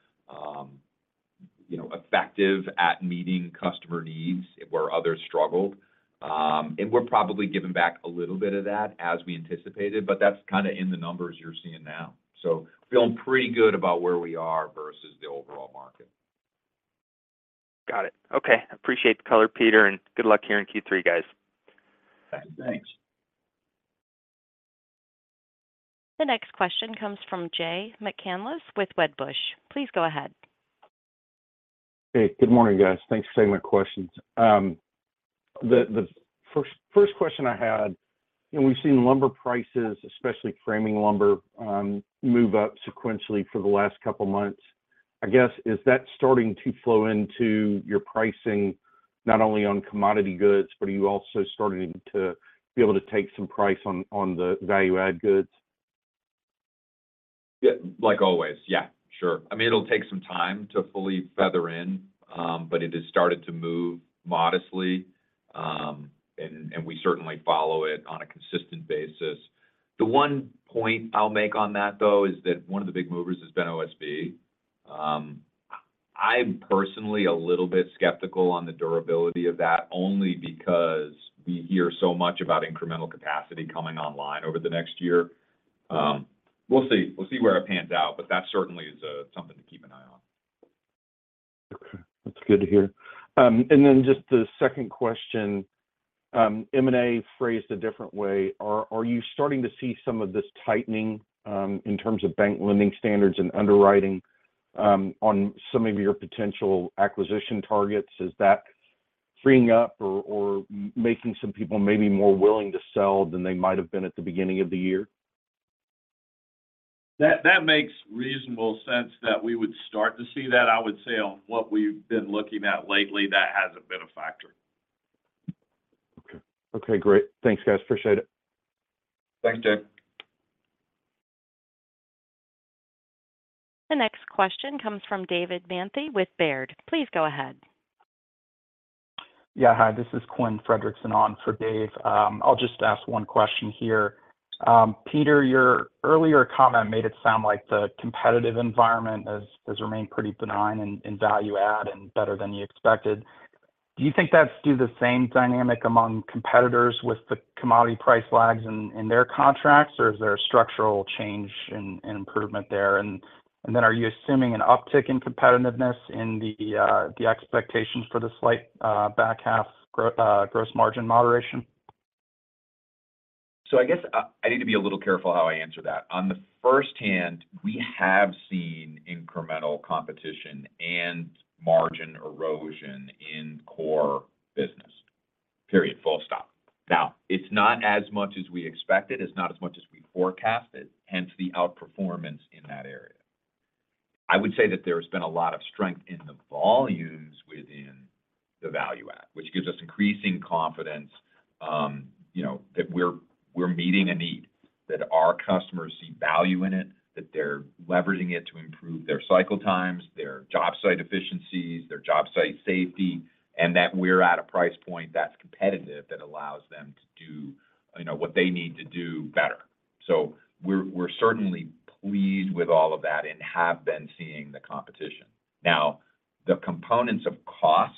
you know, effective at meeting customer needs where others struggled. We're probably giving back a little bit of that as we anticipated. That's kind of in the numbers you're seeing now. Feeling pretty good about where we are versus the overall market. Got it. Okay, appreciate the color, Peter, and good luck here in Q3, guys. Thanks. The next question comes from Jay McCanless with Wedbush. Please go ahead. Hey, good morning, guys. Thanks for taking my questions. The first question I had, you know, we've seen lumber prices, especially framing lumber, move up sequentially for the last couple of months. I guess, is that starting to flow into your pricing, not only on commodity goods, but are you also starting to be able to take some price on the value-add goods? Like always. Sure. I mean, it'll take some time to fully feather in, but it has started to move modestly. We certainly follow it on a consistent basis. The one point I'll make on that, though, is that one of the big movers has been OSB. I'm personally a little bit skeptical on the durability of that, only because we hear so much about incremental capacity coming online over the next year. We'll see. We'll see where it pans out, but that certainly is something to keep an eye on. Okay. That's good to hear. Just the second question, M&A phrased a different way. Are you starting to see some of this tightening in terms of bank lending standards and underwriting on some of your potential acquisition targets? Is that freeing up or making some people maybe more willing to sell than they might have been at the beginning of the year? That, that makes reasonable sense that we would start to see that. I would say on what we've been looking at lately, that hasn't been a factor. Okay. Okay, great. Thanks, guys. Appreciate it. Thanks, Jay. The next question comes from David Manthey with Baird. Please go ahead. Yeah. Hi, this is Quinn Fredrickson on for Dave. I'll just ask one question here. Peter, your earlier comment made it sound like the competitive environment has, has remained pretty benign in, in value add and better than you expected. Do you think that's due to the same dynamic among competitors with the commodity price lags in, in their contracts, or is there a structural change and, and improvement there? Then are you assuming an uptick in competitiveness in the expectations for the slight back half gross margin moderation? I guess, I need to be a little careful how I answer that. On the first hand, we have seen incremental competition and margin erosion in core business. Period. Full stop. Now, it's not as much as we expected, it's not as much as we forecasted, hence the outperformance in that area. I would say that there's been a lot of strength in the volumes within the value add, which gives us increasing confidence, you know, that we're, we're meeting a need, that our customers see value in it, that they're leveraging it to improve their cycle times, their job site efficiencies, their job site safety, and that we're at a price point that's competitive, that allows them to do, you know, what they need to do better. We're, we're certainly pleased with all of that and have been seeing the competition. Now, the components of cost,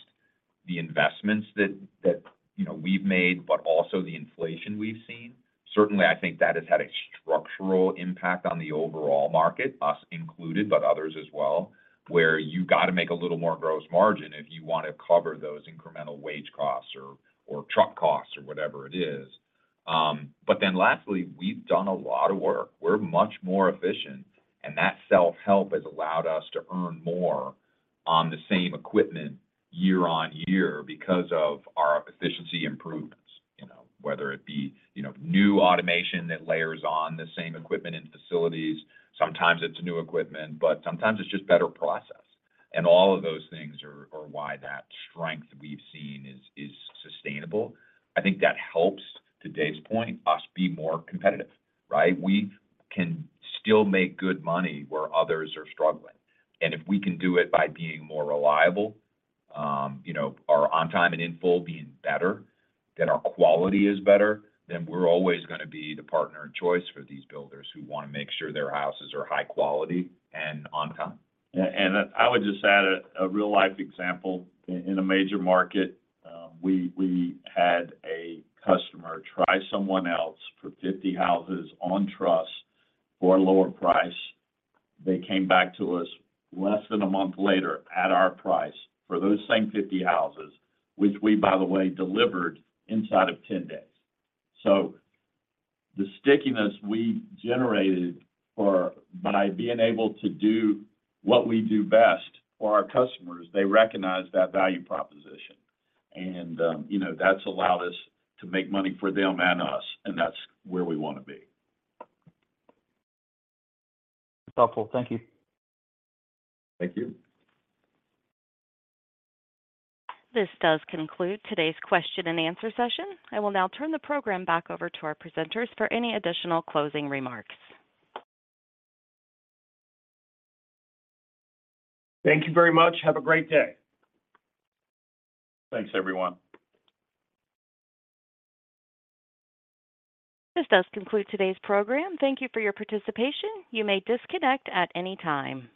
the investments that, that, you know, we've made, but also the inflation we've seen, certainly, I think that has had a structural impact on the overall market, us included, but others as well, where you've got to make a little more gross margin if you want to cover those incremental wage costs or, or truck costs or whatever it is. Then lastly, we've done a lot of work. We're much more efficient, and that self-help has allowed us to earn more on the same equipment year-over-year because of our efficiency improvements, you know, whether it be, you know, new automation that layers on the same equipment in facilities. Sometimes it's new equipment, but sometimes it's just better process. All of those things are, are why that strength we've seen is, is sustainable. I think that helps, to Dave's point, us be more competitive, right? We can still make good money where others are struggling. If we can do it by being more reliable, you know, our On-Time In-Full being better, then our quality is better, then we're always gonna be the partner of choice for these builders who want to make sure their houses are high quality and on time. I would just add a, a real-life example. In a major market, we, we had a customer try someone else for 50 houses on truss for a lower price. They came back to us less than a month later at our price for those same 50 houses, which we, by the way, delivered inside of 10 days. The stickiness we generated for... by being able to do what we do best for our customers, they recognize that value proposition, and, you know, that's allowed us to make money for them and us, and that's where we want to be. Helpful. Thank you. Thank you. This does conclude today's question and answer session. I will now turn the program back over to our presenters for any additional closing remarks. Thank you very much. Have a great day. Thanks, everyone. This does conclude today's program. Thank you for your participation. You may disconnect at any time.